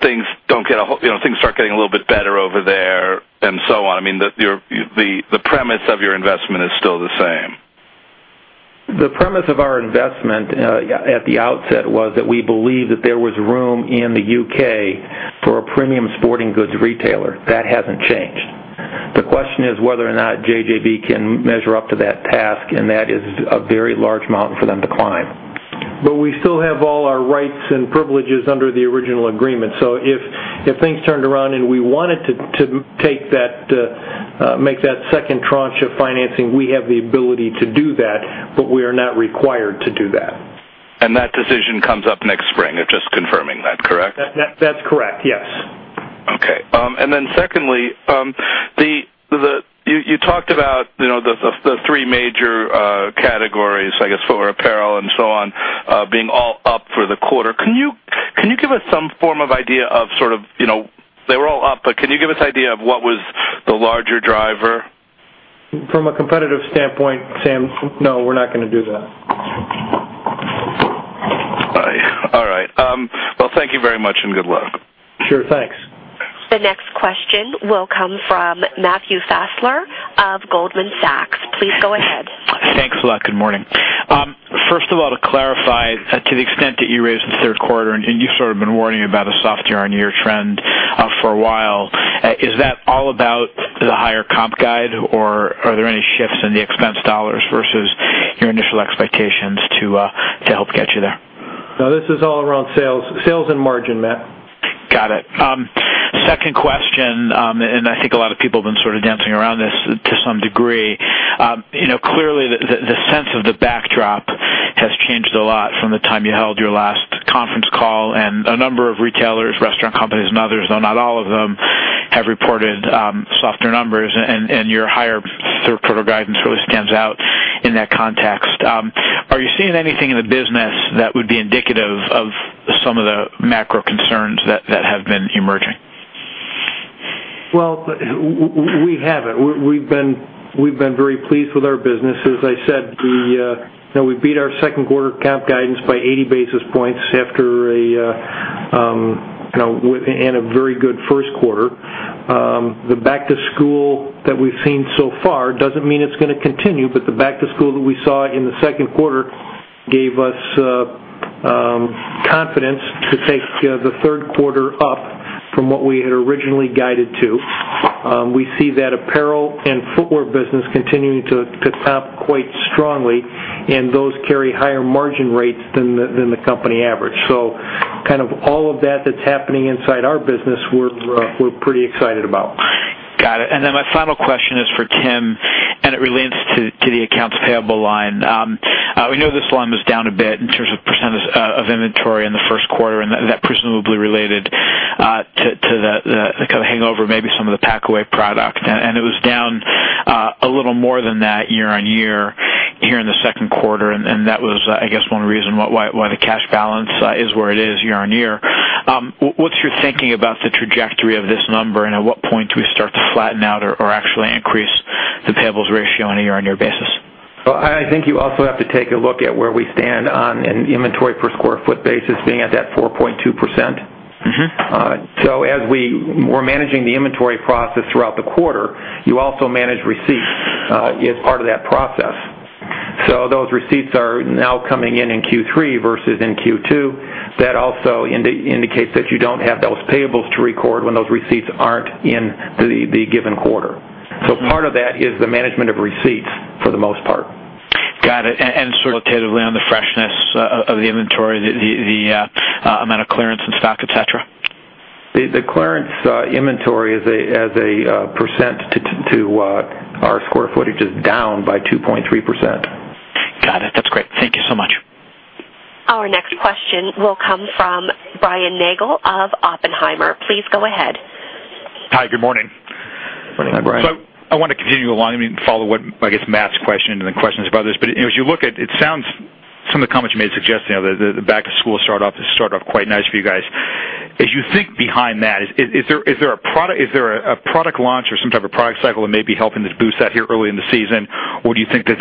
things start getting a little bit better over there and so on. I mean, the premise of your investment is still the same. The premise of our investment, at the outset, was that we believed that there was room in the U.K. for a premium sporting goods retailer. That hasn't changed. The question is whether or not JJB can measure up to that task, that is a very large mountain for them to climb. We still have all our rights and privileges under the original agreement. If things turned around and we wanted to make that second tranche of financing, we have the ability to do that, but we are not required to do that. That decision comes up next spring. Just confirming. That correct? That's correct. Yes. Okay. Secondly, you talked about the three major categories, I guess, footwear, apparel and so on, being all up for the quarter. Can you give us some form of idea of, they were all up, but can you give us idea of what was the larger driver? From a competitive standpoint, Sam, no, we're not going to do that. All right. Well, thank you very much and good luck. Sure. Thanks. The next question will come from Matthew Fassler of Goldman Sachs. Please go ahead. Thanks a lot. Good morning. First of all, to clarify, to the extent that you raised the third quarter, and you sort of been warning about a soft year-on-year trend for a while, is that all about the higher comp guide, or are there any shifts in the expense dollars versus your initial expectations to help get you there? No, this is all around sales. Sales and margin, Matt. Got it. Second question. I think a lot of people have been sort of dancing around this to some degree. Clearly, the sense of the backdrop has changed a lot from the time you held your last conference call. A number of retailers, restaurant companies and others, though not all of them, have reported softer numbers. Your higher third quarter guidance really stands out in that context. Are you seeing anything in the business that would be indicative of some of the macro concerns that have been emerging? Well, we haven't. We've been very pleased with our business. As I said, we beat our second quarter comp guidance by 80 basis points and a very good first quarter. The back-to-school that we've seen so far, doesn't mean it's going to continue, but the back-to-school that we saw in the second quarter gave us confidence to take the third quarter up from what we had originally guided to. We see that apparel and footwear business continuing to comp quite strongly. Those carry higher margin rates than the company average. All of that that's happening inside our business, we're pretty excited about. Got it. My final question is for Tim, and it relates to the accounts payable line. We know this line was down a bit in terms of percentage of inventory in the first quarter, and that presumably related to the hangover, maybe some of the pack-away product. It was down a little more than that year-on-year here in the second quarter, and that was, I guess, one reason why the cash balance is where it is year-on-year. What's your thinking about the trajectory of this number, and at what point do we start to flatten out or actually increase the payables ratio on a year-on-year basis? Well, I think you also have to take a look at where we stand on an inventory per square foot basis, being at that 4.2%. As we were managing the inventory process throughout the quarter, you also manage receipts as part of that process. Those receipts are now coming in in Q3 versus in Q2. That also indicates that you don't have those payables to record when those receipts aren't in the given quarter. Part of that is the management of receipts for the most part. Got it. Sort of qualitatively on the freshness of the inventory, the amount of clearance in stock, et cetera. The clearance inventory as a % to our square footage is down by 2.3%. Got it. That's great. Thank you so much. Our next question will come from Brian Nagel of Oppenheimer. Please go ahead. Hi. Good morning. Morning, Brian Nagel. I want to continue along and follow what, I guess, Matt Nemer's question and the questions about this, but as you look at, it sounds, some of the comments you made suggest the back-to-school start off has started off quite nice for you guys. As you think behind that, is there a product launch or some type of product cycle that may be helping this boost out here early in the season? Do you think that,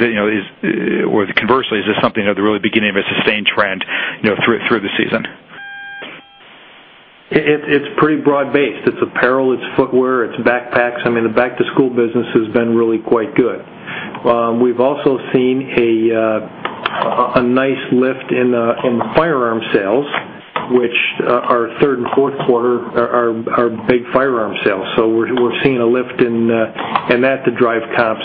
conversely, is this something that the really beginning of a sustained trend through the season? It's pretty broad-based. It's apparel, it's footwear, it's backpacks. I mean, the back-to-school business has been really quite good. We've also seen a nice lift in the firearm sales, which our third and fourth quarter are big firearm sales. We're seeing a lift in that to drive comps.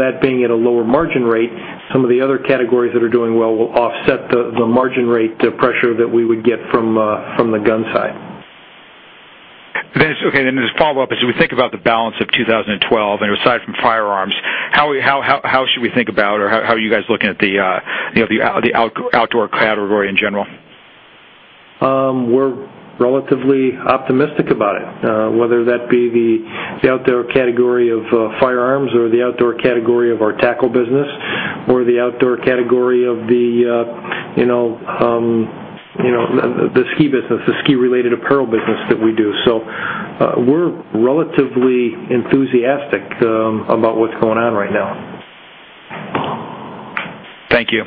That being at a lower margin rate, some of the other categories that are doing well will offset the margin rate pressure that we would get from the gun side. Okay. As a follow-up, as we think about the balance of 2012, aside from firearms, how should we think about or how are you guys looking at the outdoor category in general? We're relatively optimistic about it, whether that be the outdoor category of firearms or the outdoor category of our tackle business or the outdoor category of the ski business, the ski-related apparel business that we do. We're relatively enthusiastic about what's going on right now. Thank you.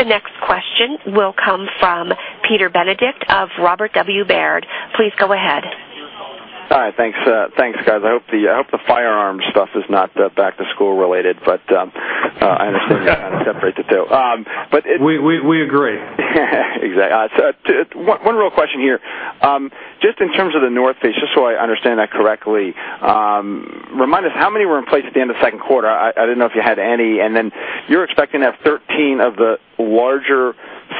The next question will come from Peter Benedict of Robert W. Baird. Please go ahead. Hi. Thanks. Thanks, guys. I hope the firearms stuff is not back-to-school related. You kind of separate the two. We agree. Exactly. One real question here. Just in terms of The North Face, just so I understand that correctly, remind us, how many were in place at the end of second quarter? I didn't know if you had any. Then you're expecting to have 13 of the larger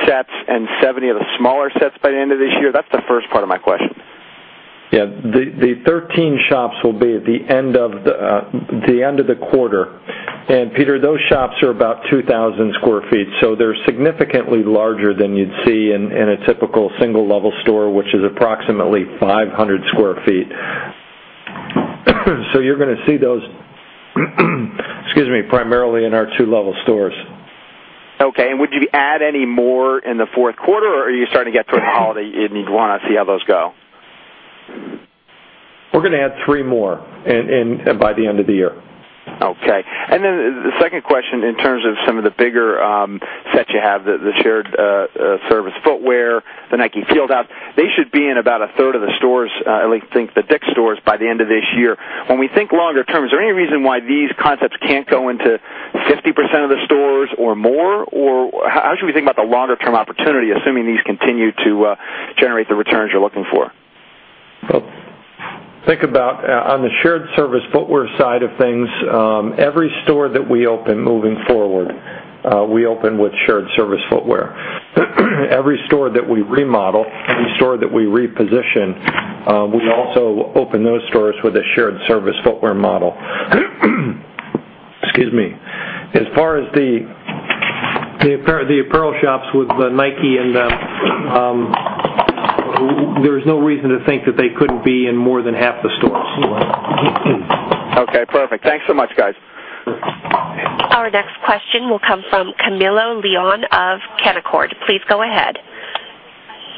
sets and 70 of the smaller sets by the end of this year. That's the first part of my question. Yeah. The 13 shops will be at the end of the quarter. Peter, those shops are about 2,000 square feet, so they're significantly larger than you'd see in a typical single-level store, which is approximately 500 square feet. You're going to see those excuse me, primarily in our two-level stores. Okay. Would you add any more in the fourth quarter, or are you starting to get toward holiday and you'd want to see how those go? We're going to add three more by the end of the year. Okay. The second question, in terms of some of the bigger sets you have, the shared service footwear, the Nike Field House, they should be in about a third of the stores, at least I think the DICK'S stores by the end of this year. When we think longer term, is there any reason why these concepts can't go into 50% of the stores or more? How should we think about the longer-term opportunity, assuming these continue to generate the returns you're looking for? Think about on the shared service footwear side of things, every store that we open moving forward, we open with shared service footwear. Every store that we remodel, every store that we reposition, we also open those stores with a shared service footwear model. Excuse me. As far as the apparel shops with Nike and them, there's no reason to think that they couldn't be in more than half the stores. Okay, perfect. Thanks so much, guys. Our next question will come from Camilo Lyon of Canaccord Genuity. Please go ahead.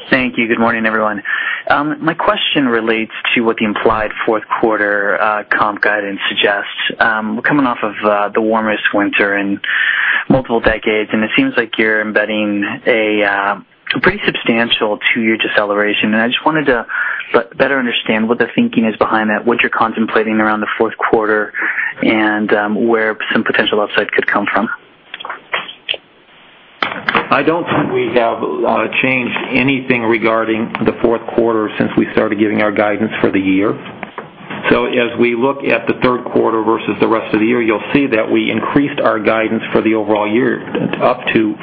Thank you. Good morning, everyone. My question relates to what the implied fourth quarter comp guidance suggests. We're coming off of the warmest winter in multiple decades. It seems like you're embedding a pretty substantial two-year deceleration. I just wanted to better understand what the thinking is behind that, what you're contemplating around the fourth quarter, and where some potential upside could come from. I don't think we have changed anything regarding the fourth quarter since we started giving our guidance for the year. As we look at the third quarter versus the rest of the year, you'll see that we increased our guidance for the overall year up to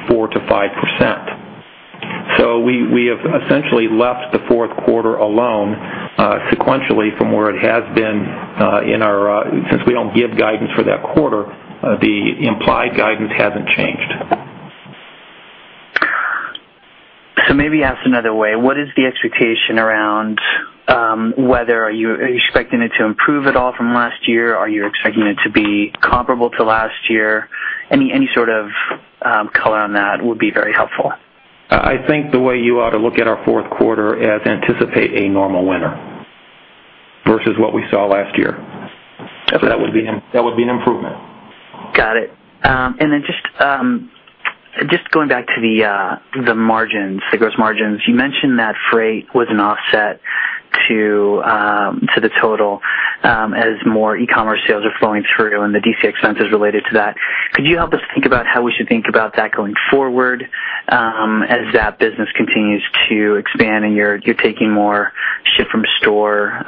4%-5%. We have essentially left the fourth quarter alone sequentially from where it has been. Since we don't give guidance for that quarter, the implied guidance hasn't changed. Maybe asked another way, what is the expectation around whether are you expecting it to improve at all from last year? Are you expecting it to be comparable to last year? Any sort of color on that would be very helpful. I think the way you ought to look at our fourth quarter as anticipate a normal winter versus what we saw last year. Okay. That would be an improvement. Got it. Then just going back to the gross margins. You mentioned that freight was an offset to the total, as more e-commerce sales are flowing through and the DC expense is related to that. Could you help us think about how we should think about that going forward, as that business continues to expand and you're taking more ship from store,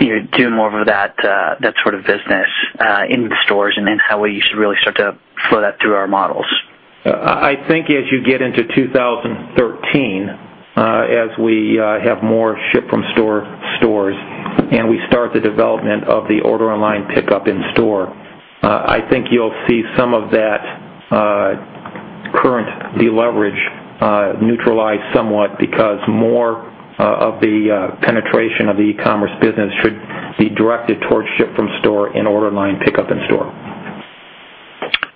you're doing more of that sort of business in the stores, and then how we should really start to flow that through our models. I think as you get into 2013, as we have more ship from store stores, and we start the development of the order online pickup in store, I think you'll see some of that current deleverage neutralized somewhat because more of the penetration of the e-commerce business should be directed towards ship from store and order online pickup in store.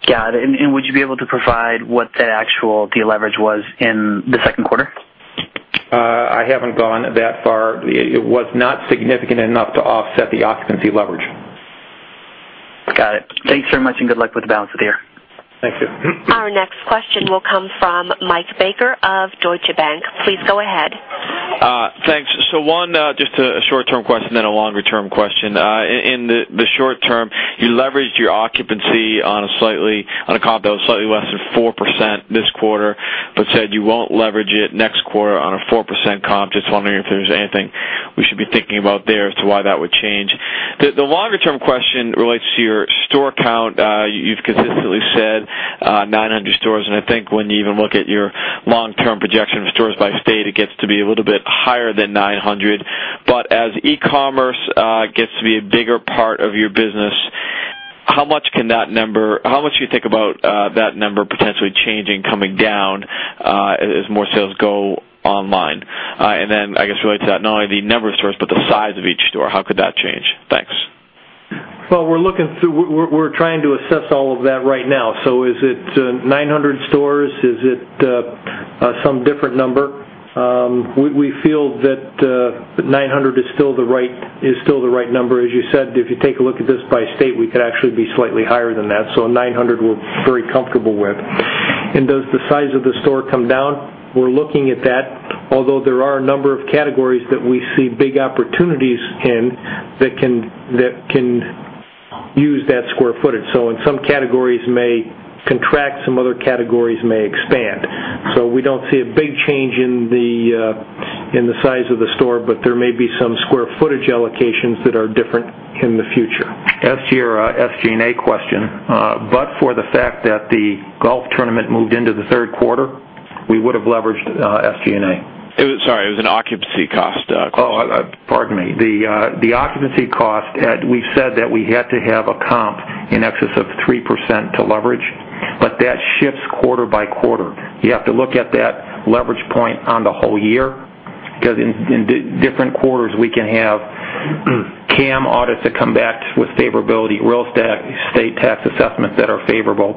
Got it. Would you be able to provide what that actual deleverage was in the second quarter? I haven't gone that far. It was not significant enough to offset the occupancy leverage. Got it. Thanks very much, and good luck with the balance of the year. Thank you. Our next question will come from Michael Baker of Deutsche Bank. Please go ahead. Thanks. One, just a short-term question then a longer-term question. In the short term, you leveraged your occupancy on a comp that was slightly less than 4% this quarter, but said you won't leverage it next quarter on a 4% comp. Just wondering if there's anything we should be thinking about there as to why that would change. The longer term question relates to your store count. You've consistently said 900 stores, and I think when you even look at your long-term projection of stores by state, it gets to be a little bit higher than 900. But as e-commerce gets to be a bigger part of your business, how much do you think about that number potentially changing, coming down, as more sales go online? Then, I guess related to that, not only the number of stores, but the size of each store, how could that change? Thanks. Well, we're trying to assess all of that right now. Is it 900 stores? Is it some different number? We feel that 900 is still the right number. As you said, if you take a look at this by state, we could actually be slightly higher than that. 900, we're very comfortable with. Does the size of the store come down? We're looking at that. Although there are a number of categories that we see big opportunities in that can use that square footage. In some categories may contract, some other categories may expand. We don't see a big change in the size of the store, but there may be some square footage allocations that are different in the future. SG&A question. For the fact that the golf tournament moved into the third quarter, we would have leveraged SG&A. Sorry, it was an occupancy cost. Oh, pardon me. The occupancy cost, we've said that we had to have a comp in excess of 3% to leverage, but that shifts quarter by quarter. You have to look at that leverage point on the whole year, because in different quarters, we can have CAM audits that come back with favorability, real estate tax assessments that are favorable,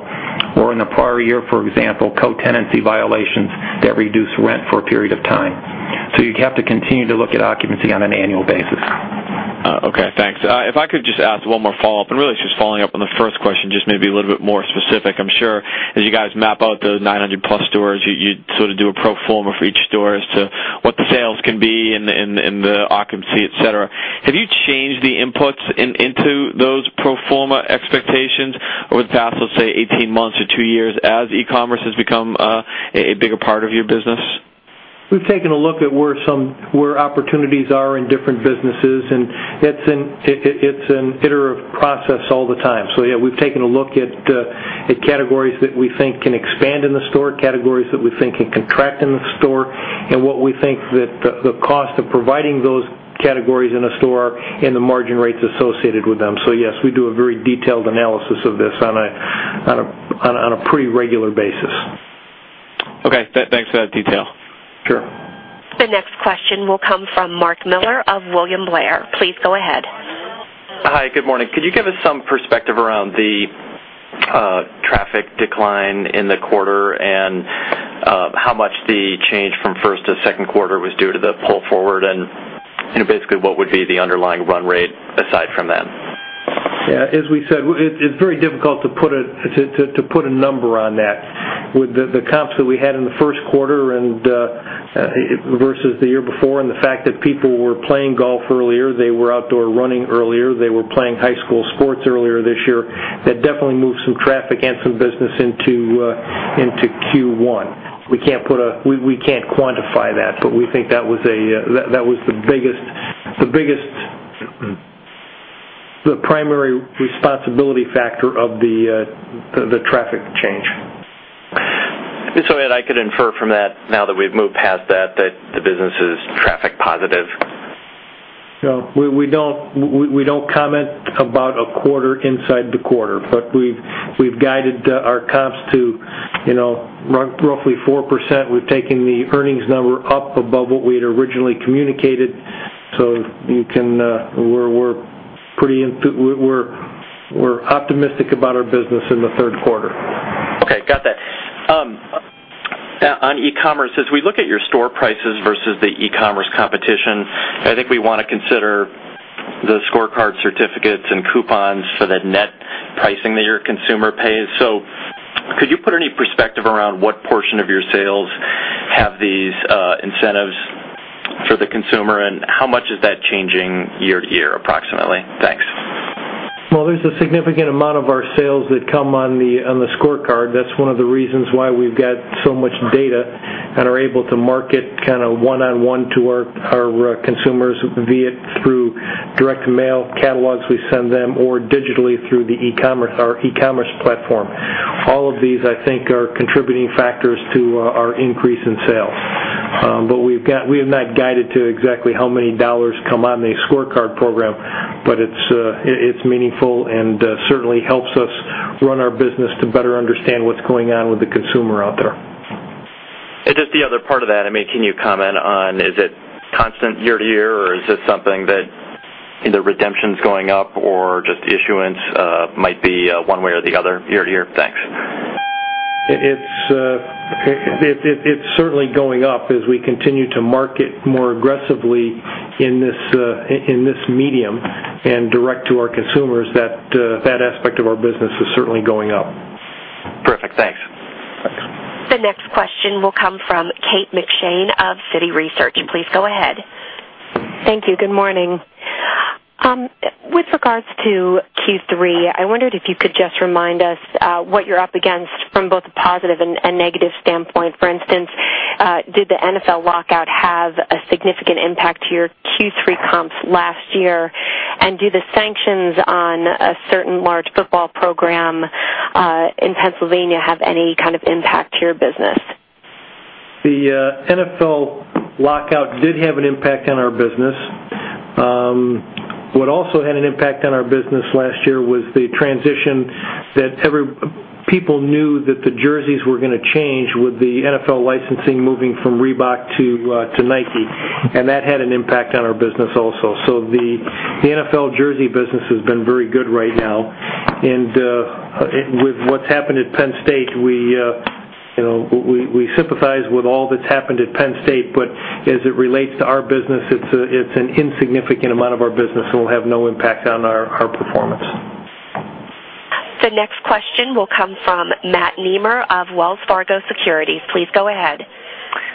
or in the prior year, for example, co-tenancy violations that reduce rent for a period of time. You have to continue to look at occupancy on an annual basis. Okay, thanks. Really it's just following up on the first question, just maybe a little bit more specific. I'm sure as you guys map out those 900 plus stores, you sort of do a pro forma for each store as to what the sales can be and the occupancy, et cetera. Have you changed the inputs into those pro forma expectations over the past, let's say, 18 months or two years as e-commerce has become a bigger part of your business? We've taken a look at where opportunities are in different businesses. It's an iterative process all the time. Yeah, we've taken a look at categories that we think can expand in the store, categories that we think can contract in the store. What we think that the cost of providing those categories in a store and the margin rates associated with them. Yes, we do a very detailed analysis of this on a pretty regular basis. Okay. Thanks for that detail. Sure. The next question will come from Mark Miller of William Blair. Please go ahead. Hi, good morning. Could you give us some perspective around the traffic decline in the quarter and how much the change from first to second quarter was due to the pull forward? Basically what would be the underlying run rate aside from that? Yeah. As we said, it's very difficult to put a number on that. With the comps that we had in the first quarter versus the year before and the fact that people were playing golf earlier, they were outdoor running earlier, they were playing high school sports earlier this year, that definitely moved some traffic and some business into Q1. We can't quantify that, but we think that was the primary responsibility factor of the traffic change. Ed, I could infer from that, now that we've moved past that the business is traffic positive? No. We don't comment about a quarter inside the quarter. We've guided our comps to roughly 4%. We've taken the earnings number up above what we had originally communicated. We're optimistic about our business in the third quarter. Okay. Got that. On e-commerce, as we look at your store prices versus the e-commerce competition, I think we want to consider the ScoreCard certificates and coupons for the net pricing that your consumer pays. Could you put any perspective around what portion of your sales have these incentives for the consumer, and how much is that changing year-to-year, approximately? Thanks. Well, there's a significant amount of our sales that come on the ScoreCard. That's one of the reasons why we've got so much data and are able to market one-on-one to our consumers, be it through direct mail catalogs we send them, or digitally through our e-commerce platform. All of these, I think, are contributing factors to our increase in sales. We have not guided to exactly how many dollars come on the ScoreCard program. It's meaningful and certainly helps us run our business to better understand what's going on with the consumer out there. Just the other part of that, can you comment on, is it constant year to year, or is this something that either redemption's going up or just issuance might be one way or the other year to year? Thanks. It's certainly going up as we continue to market more aggressively in this medium and direct to our consumers. That aspect of our business is certainly going up. Perfect. Thanks. Thanks. The next question will come from Kate McShane of Citi Research. Please go ahead. Thank you. Good morning. With regards to Q3, I wondered if you could just remind us what you're up against from both a positive and negative standpoint. For instance, did the NFL lockout have a significant impact to your Q3 comps last year? Do the sanctions on a certain large football program in Pennsylvania have any kind of impact to your business? The NFL lockout did have an impact on our business. What also had an impact on our business last year was the transition that people knew that the jerseys were going to change with the NFL licensing moving from Reebok to Nike, that had an impact on our business also. The NFL jersey business has been very good right now. With what's happened at Penn State, we sympathize with all that's happened at Penn State, but as it relates to our business, it's an insignificant amount of our business and will have no impact on our performance. The next question will come from Matt Nemer of Wells Fargo Securities. Please go ahead.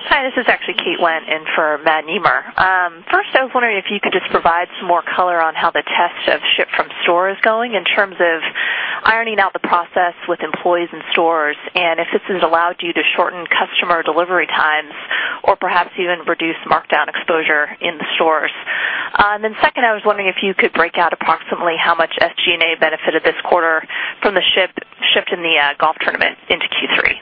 Hi, this is actually Kate Wendt in for Matt Nemer. First, I was wondering if you could just provide some more color on how the test of ship from store is going in terms of ironing out the process with employees in stores, and if this has allowed you to shorten customer delivery times or perhaps even reduce markdown exposure in the stores. Second, I was wondering if you could break out approximately how much SG&A benefited this quarter from the shift in the golf tournament into Q3.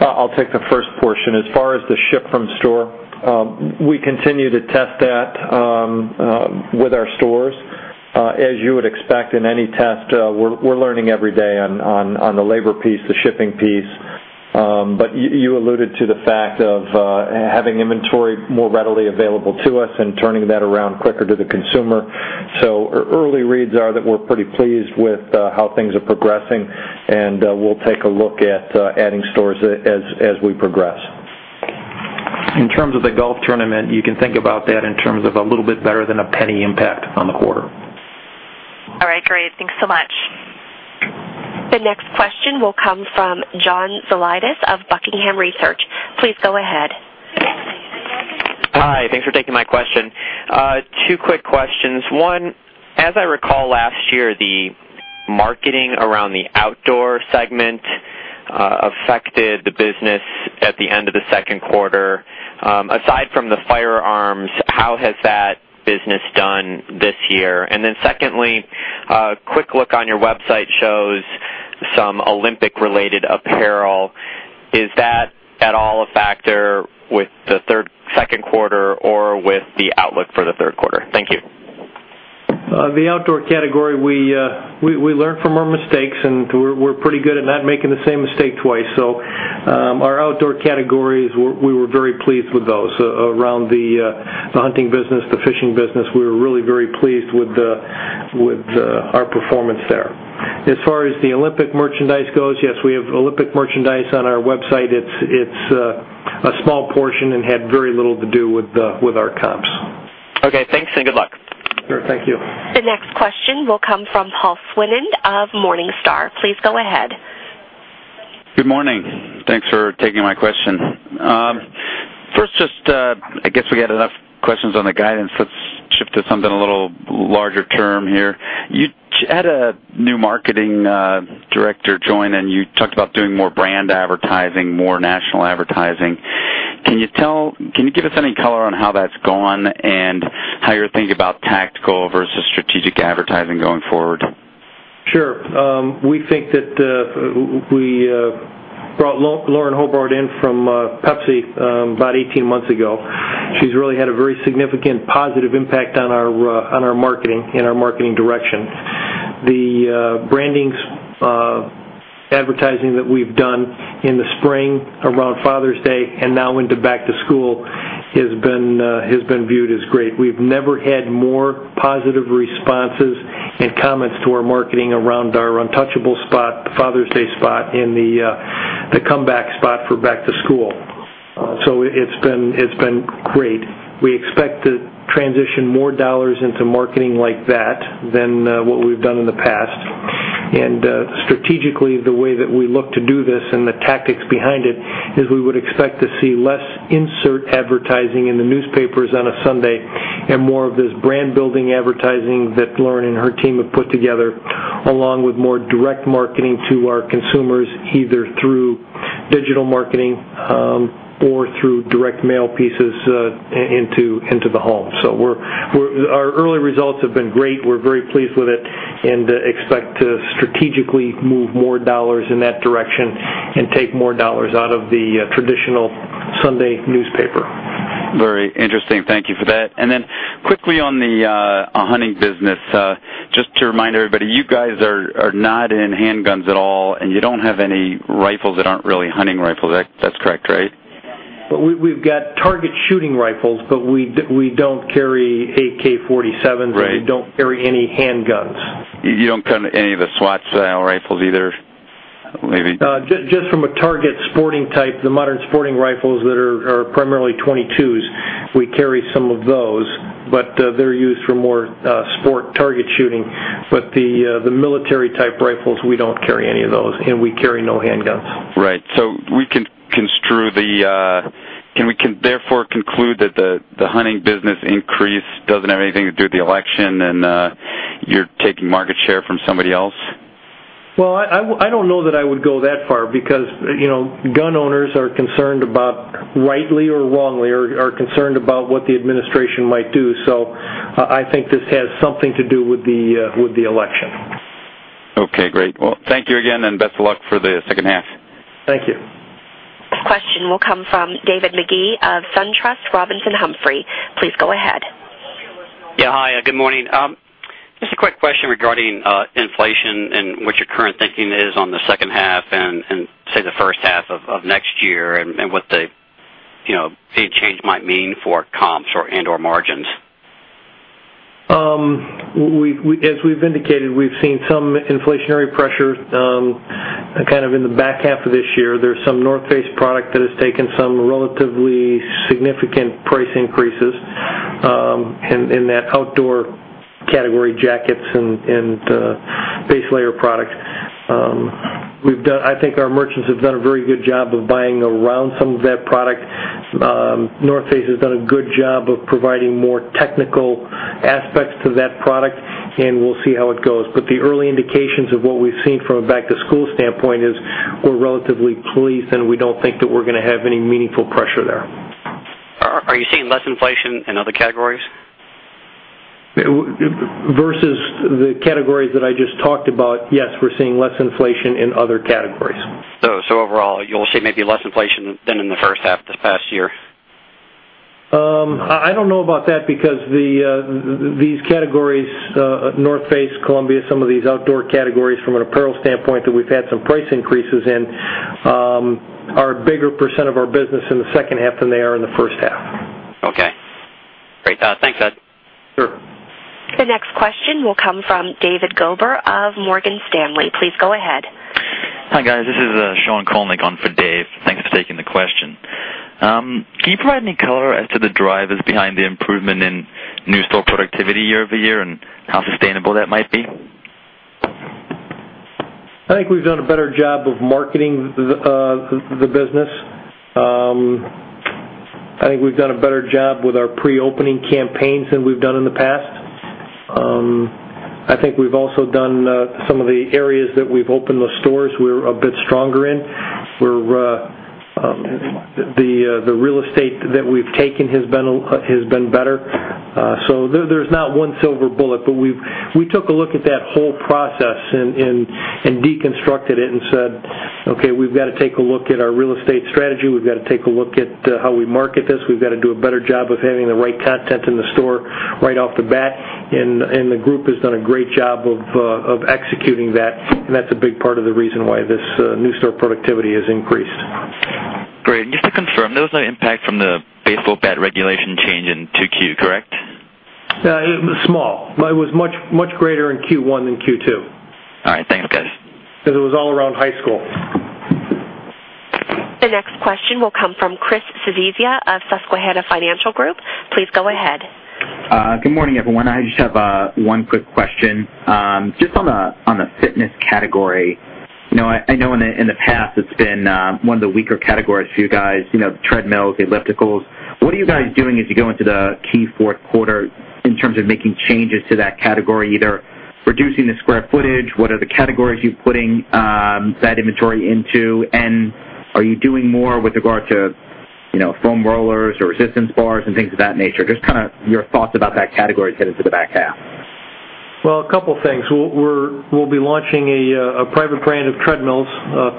I'll take the first portion. As far as the ship from store, we continue to test that with our stores. As you would expect in any test, we're learning every day on the labor piece, the shipping piece. You alluded to the fact of having inventory more readily available to us and turning that around quicker to the consumer. Early reads are that we're pretty pleased with how things are progressing, and we'll take a look at adding stores as we progress. In terms of the golf tournament, you can think about that in terms of a little bit better than a $0.01 impact on the quarter. All right, great. Thanks so much. The next question will come from John Zolidis of Buckingham Research. Please go ahead. Hi. Thanks for taking my question. Two quick questions. One, as I recall last year, the marketing around the outdoor segment affected the business at the end of the second quarter. Aside from the firearms, how has that business done this year? Secondly, a quick look on your website shows some Olympic-related apparel. Is that at all a factor with the second quarter or with the outlook for the third quarter? Thank you. The outdoor category, we learn from our mistakes, and we are pretty good at not making the same mistake twice. Our outdoor categories, we were very pleased with those. Around the hunting business, the fishing business, we were really very pleased with our performance there. As far as the Olympic merchandise goes, yes, we have Olympic merchandise on our website. It is a small portion and had very little to do with our comps. Okay, thanks, and good luck. Sure, thank you. The next question will come from Paul Swinand of Morningstar. Please go ahead. Good morning. Thanks for taking my question. First, I guess we had enough questions on the guidance. Let's shift to something a little larger term here. You had a new marketing director join, and you talked about doing more brand advertising, more national advertising. Can you give us any color on how that's gone, and how you're thinking about tactical versus strategic advertising going forward? Sure. We brought Lauren Hobart in from PepsiCo about 18 months ago. She's really had a very significant positive impact on our marketing and our marketing direction. The branding advertising that we've done in the spring around Father's Day, and now into back to school, has been viewed as great. We've never had more positive responses and comments to our marketing around our Untouchable spot, the Father's Day spot, and the Comeback spot for back to school. It's been great. We expect to transition more dollars into marketing like that than what we've done in the past. Strategically, the way that we look to do this and the tactics behind it is we would expect to see less insert advertising in the newspapers on a Sunday, and more of this brand-building advertising that Lauren and her team have put together, along with more direct marketing to our consumers, either through digital marketing or through direct mail pieces into the home. Our early results have been great. We're very pleased with it and expect to strategically move more dollars in that direction and take more dollars out of the traditional Sunday newspaper. Very interesting. Thank you for that. Then quickly on the hunting business. Just to remind everybody, you guys are not in handguns at all, and you don't have any rifles that aren't really hunting rifles. That's correct, right? We've got target shooting rifles, we don't carry AK-47s. Right We don't carry any handguns. You don't carry any of the SWAT-style rifles either? Just from a target sporting type, the modern sporting rifles that are primarily .22s, we carry some of those, but they're used for more sport target shooting. The military-type rifles, we don't carry any of those, and we carry no handguns. Right. Can we therefore conclude that the hunting business increase doesn't have anything to do with the election, and you're taking market share from somebody else? Well, I don't know that I would go that far because gun owners, rightly or wrongly, are concerned about what the administration might do. I think this has something to do with the election. Okay, great. Well, thank you again, and best of luck for the second half. Thank you. This question will come from David Magee of SunTrust Robinson Humphrey. Please go ahead. Yeah. Hi, good morning. Just a quick question regarding inflation and what your current thinking is on the second half and, say, the first half of next year, and what the fee change might mean for comps and/or margins. As we've indicated, we've seen some inflationary pressures in the back half of this year. There's some North Face product that has taken some relatively significant price increases in that outdoor category, jackets and base layer products. I think our merchants have done a very good job of buying around some of that product. North Face has done a good job of providing more technical aspects to that product, and we'll see how it goes. The early indications of what we've seen from a back-to-school standpoint is we're relatively pleased, and we don't think that we're going to have any meaningful pressure there. Are you seeing less inflation in other categories? The categories that I just talked about, yes, we're seeing less inflation in other categories. Overall, you'll see maybe less inflation than in the first half this past year. I don't know about that because these categories, North Face, Columbia, some of these outdoor categories from an apparel standpoint that we've had some price increases in, are a bigger percent of our business in the second half than they are in the first half. Okay. Great. Thanks, Ed. Sure. The next question will come from David Glick of Morgan Stanley. Please go ahead. Hi, guys. This is Sean Cullinan on for Dave. Thanks for taking the question. Can you provide any color as to the drivers behind the improvement in new store productivity year-over-year and how sustainable that might be? I think we've done a better job of marketing the business. I think we've done a better job with our pre-opening campaigns than we've done in the past. I think we've also done some of the areas that we've opened those stores we're a bit stronger in. The real estate that we've taken has been better. There's not one silver bullet, but we took a look at that whole process and deconstructed it and said, "Okay, we've got to take a look at our real estate strategy. We've got to take a look at how we market this. We've got to do a better job of having the right content in the store right off the bat." The group has done a great job of executing that, and that's a big part of the reason why this new store productivity has increased. Great. Just to confirm, there was no impact from the baseball bat regulation change in 2Q, correct? It was small. It was much greater in Q1 than Q2. All right. Thanks, guys. It was all around high school. The next question will come from Christopher Svezia of Susquehanna Financial Group Good morning, everyone. I just have one quick question. Just on the fitness category. I know in the past it's been one of the weaker categories for you guys, treadmills, ellipticals. What are you guys doing as you go into the key fourth quarter in terms of making changes to that category, either reducing the square footage, what are the categories you're putting that inventory into, and are you doing more with regard to foam rollers or resistance bars and things of that nature? Just your thoughts about that category as you head into the back half. Well, a couple things. We'll be launching a private brand of treadmills,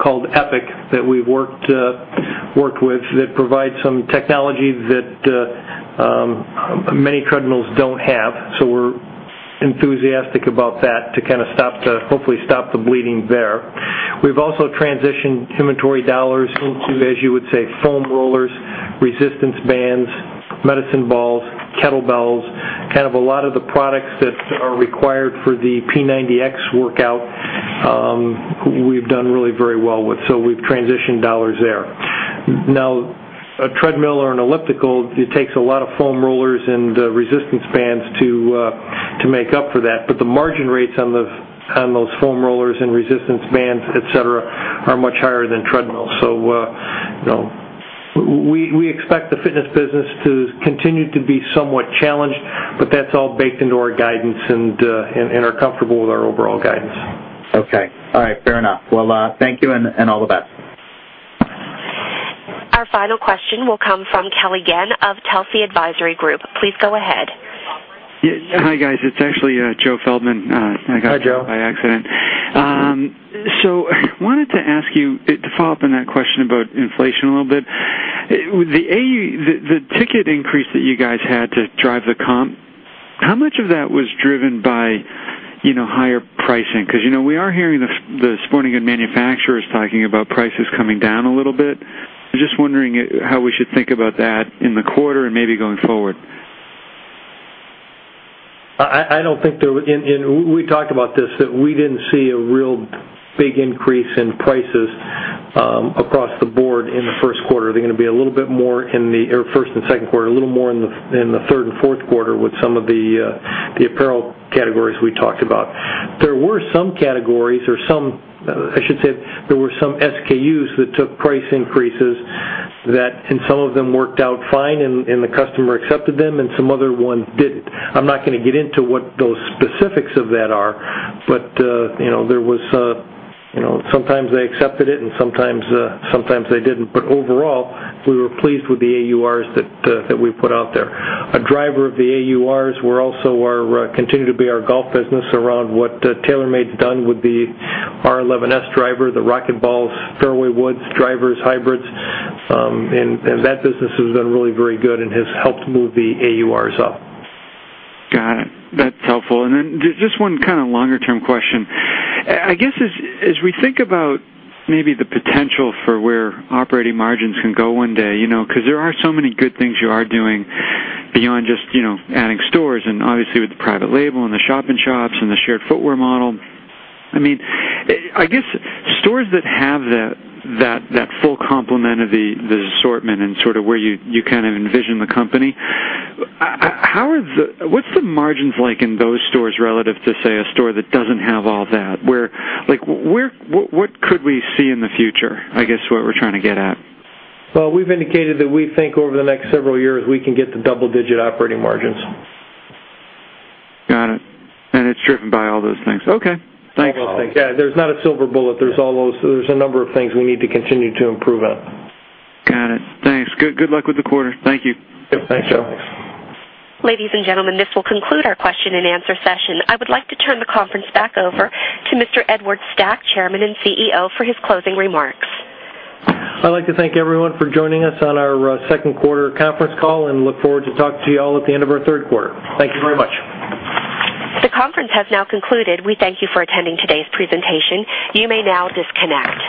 called Epic, that we've worked with that provides some technology that many treadmills don't have. We're enthusiastic about that to hopefully stop the bleeding there. We've also transitioned inventory dollars into, as you would say, foam rollers, resistance bands, medicine balls, kettlebells, a lot of the products that are required for the P90X workout, we've done really very well with. We've transitioned dollars there. Now, a treadmill or an elliptical, it takes a lot of foam rollers and resistance bands to make up for that. The margin rates on those foam rollers and resistance bands, et cetera, are much higher than treadmills. We expect the fitness business to continue to be somewhat challenged, but that's all baked into our guidance and we're comfortable with our overall guidance. Okay. All right. Fair enough. Well, thank you and all the best. Our final question will come from Kelly Chen of Telsey Advisory Group. Please go ahead. Hi, guys. It's actually Joe Feldman. Hi, Joe. I got through by accident. I wanted to ask you to follow up on that question about inflation a little bit. The ticket increase that you guys had to drive the comp, how much of that was driven by higher pricing? We are hearing the sporting good manufacturers talking about prices coming down a little bit. I'm just wondering how we should think about that in the quarter and maybe going forward. We talked about this, that we didn't see a real big increase in prices across the board in the first quarter. They're going to be a little bit more in the first and second quarter, a little more in the third and fourth quarter with some of the apparel categories we talked about. There were some categories, or I should say, there were some SKUs that took price increases and some of them worked out fine and the customer accepted them, and some other ones didn't. I'm not going to get into what those specifics of that are, but sometimes they accepted it and sometimes they didn't. Overall, we were pleased with the AURs that we put out there. A driver of the AURs will also continue to be our golf business around what TaylorMade's done with the R11S driver, the RocketBallz, fairway woods, drivers, hybrids. That business has done really very good and has helped move the AURs up. Got it. That's helpful. Then just one longer term question. I guess as we think about maybe the potential for where operating margins can go one day, because there are so many good things you are doing beyond just adding stores and obviously with the private label and the shop-in-shops and the shared footwear model. I guess stores that have that full complement of the assortment and sort of where you envision the company, what's the margins like in those stores relative to, say, a store that doesn't have all that? What could we see in the future, I guess, is what we're trying to get at? Well, we've indicated that we think over the next several years, we can get to double-digit operating margins. Got it. It's driven by all those things. Okay. Thanks. All those things. Yeah, there's not a silver bullet. There's a number of things we need to continue to improve on. Got it. Thanks. Good luck with the quarter. Thank you. Thanks, Joe. Ladies and gentlemen, this will conclude our question and answer session. I would like to turn the conference back over to Mr. Edward Stack, Chairman and CEO, for his closing remarks. I'd like to thank everyone for joining us on our second quarter conference call and look forward to talking to you all at the end of our third quarter. Thank you very much. The conference has now concluded. We thank you for attending today's presentation. You may now disconnect.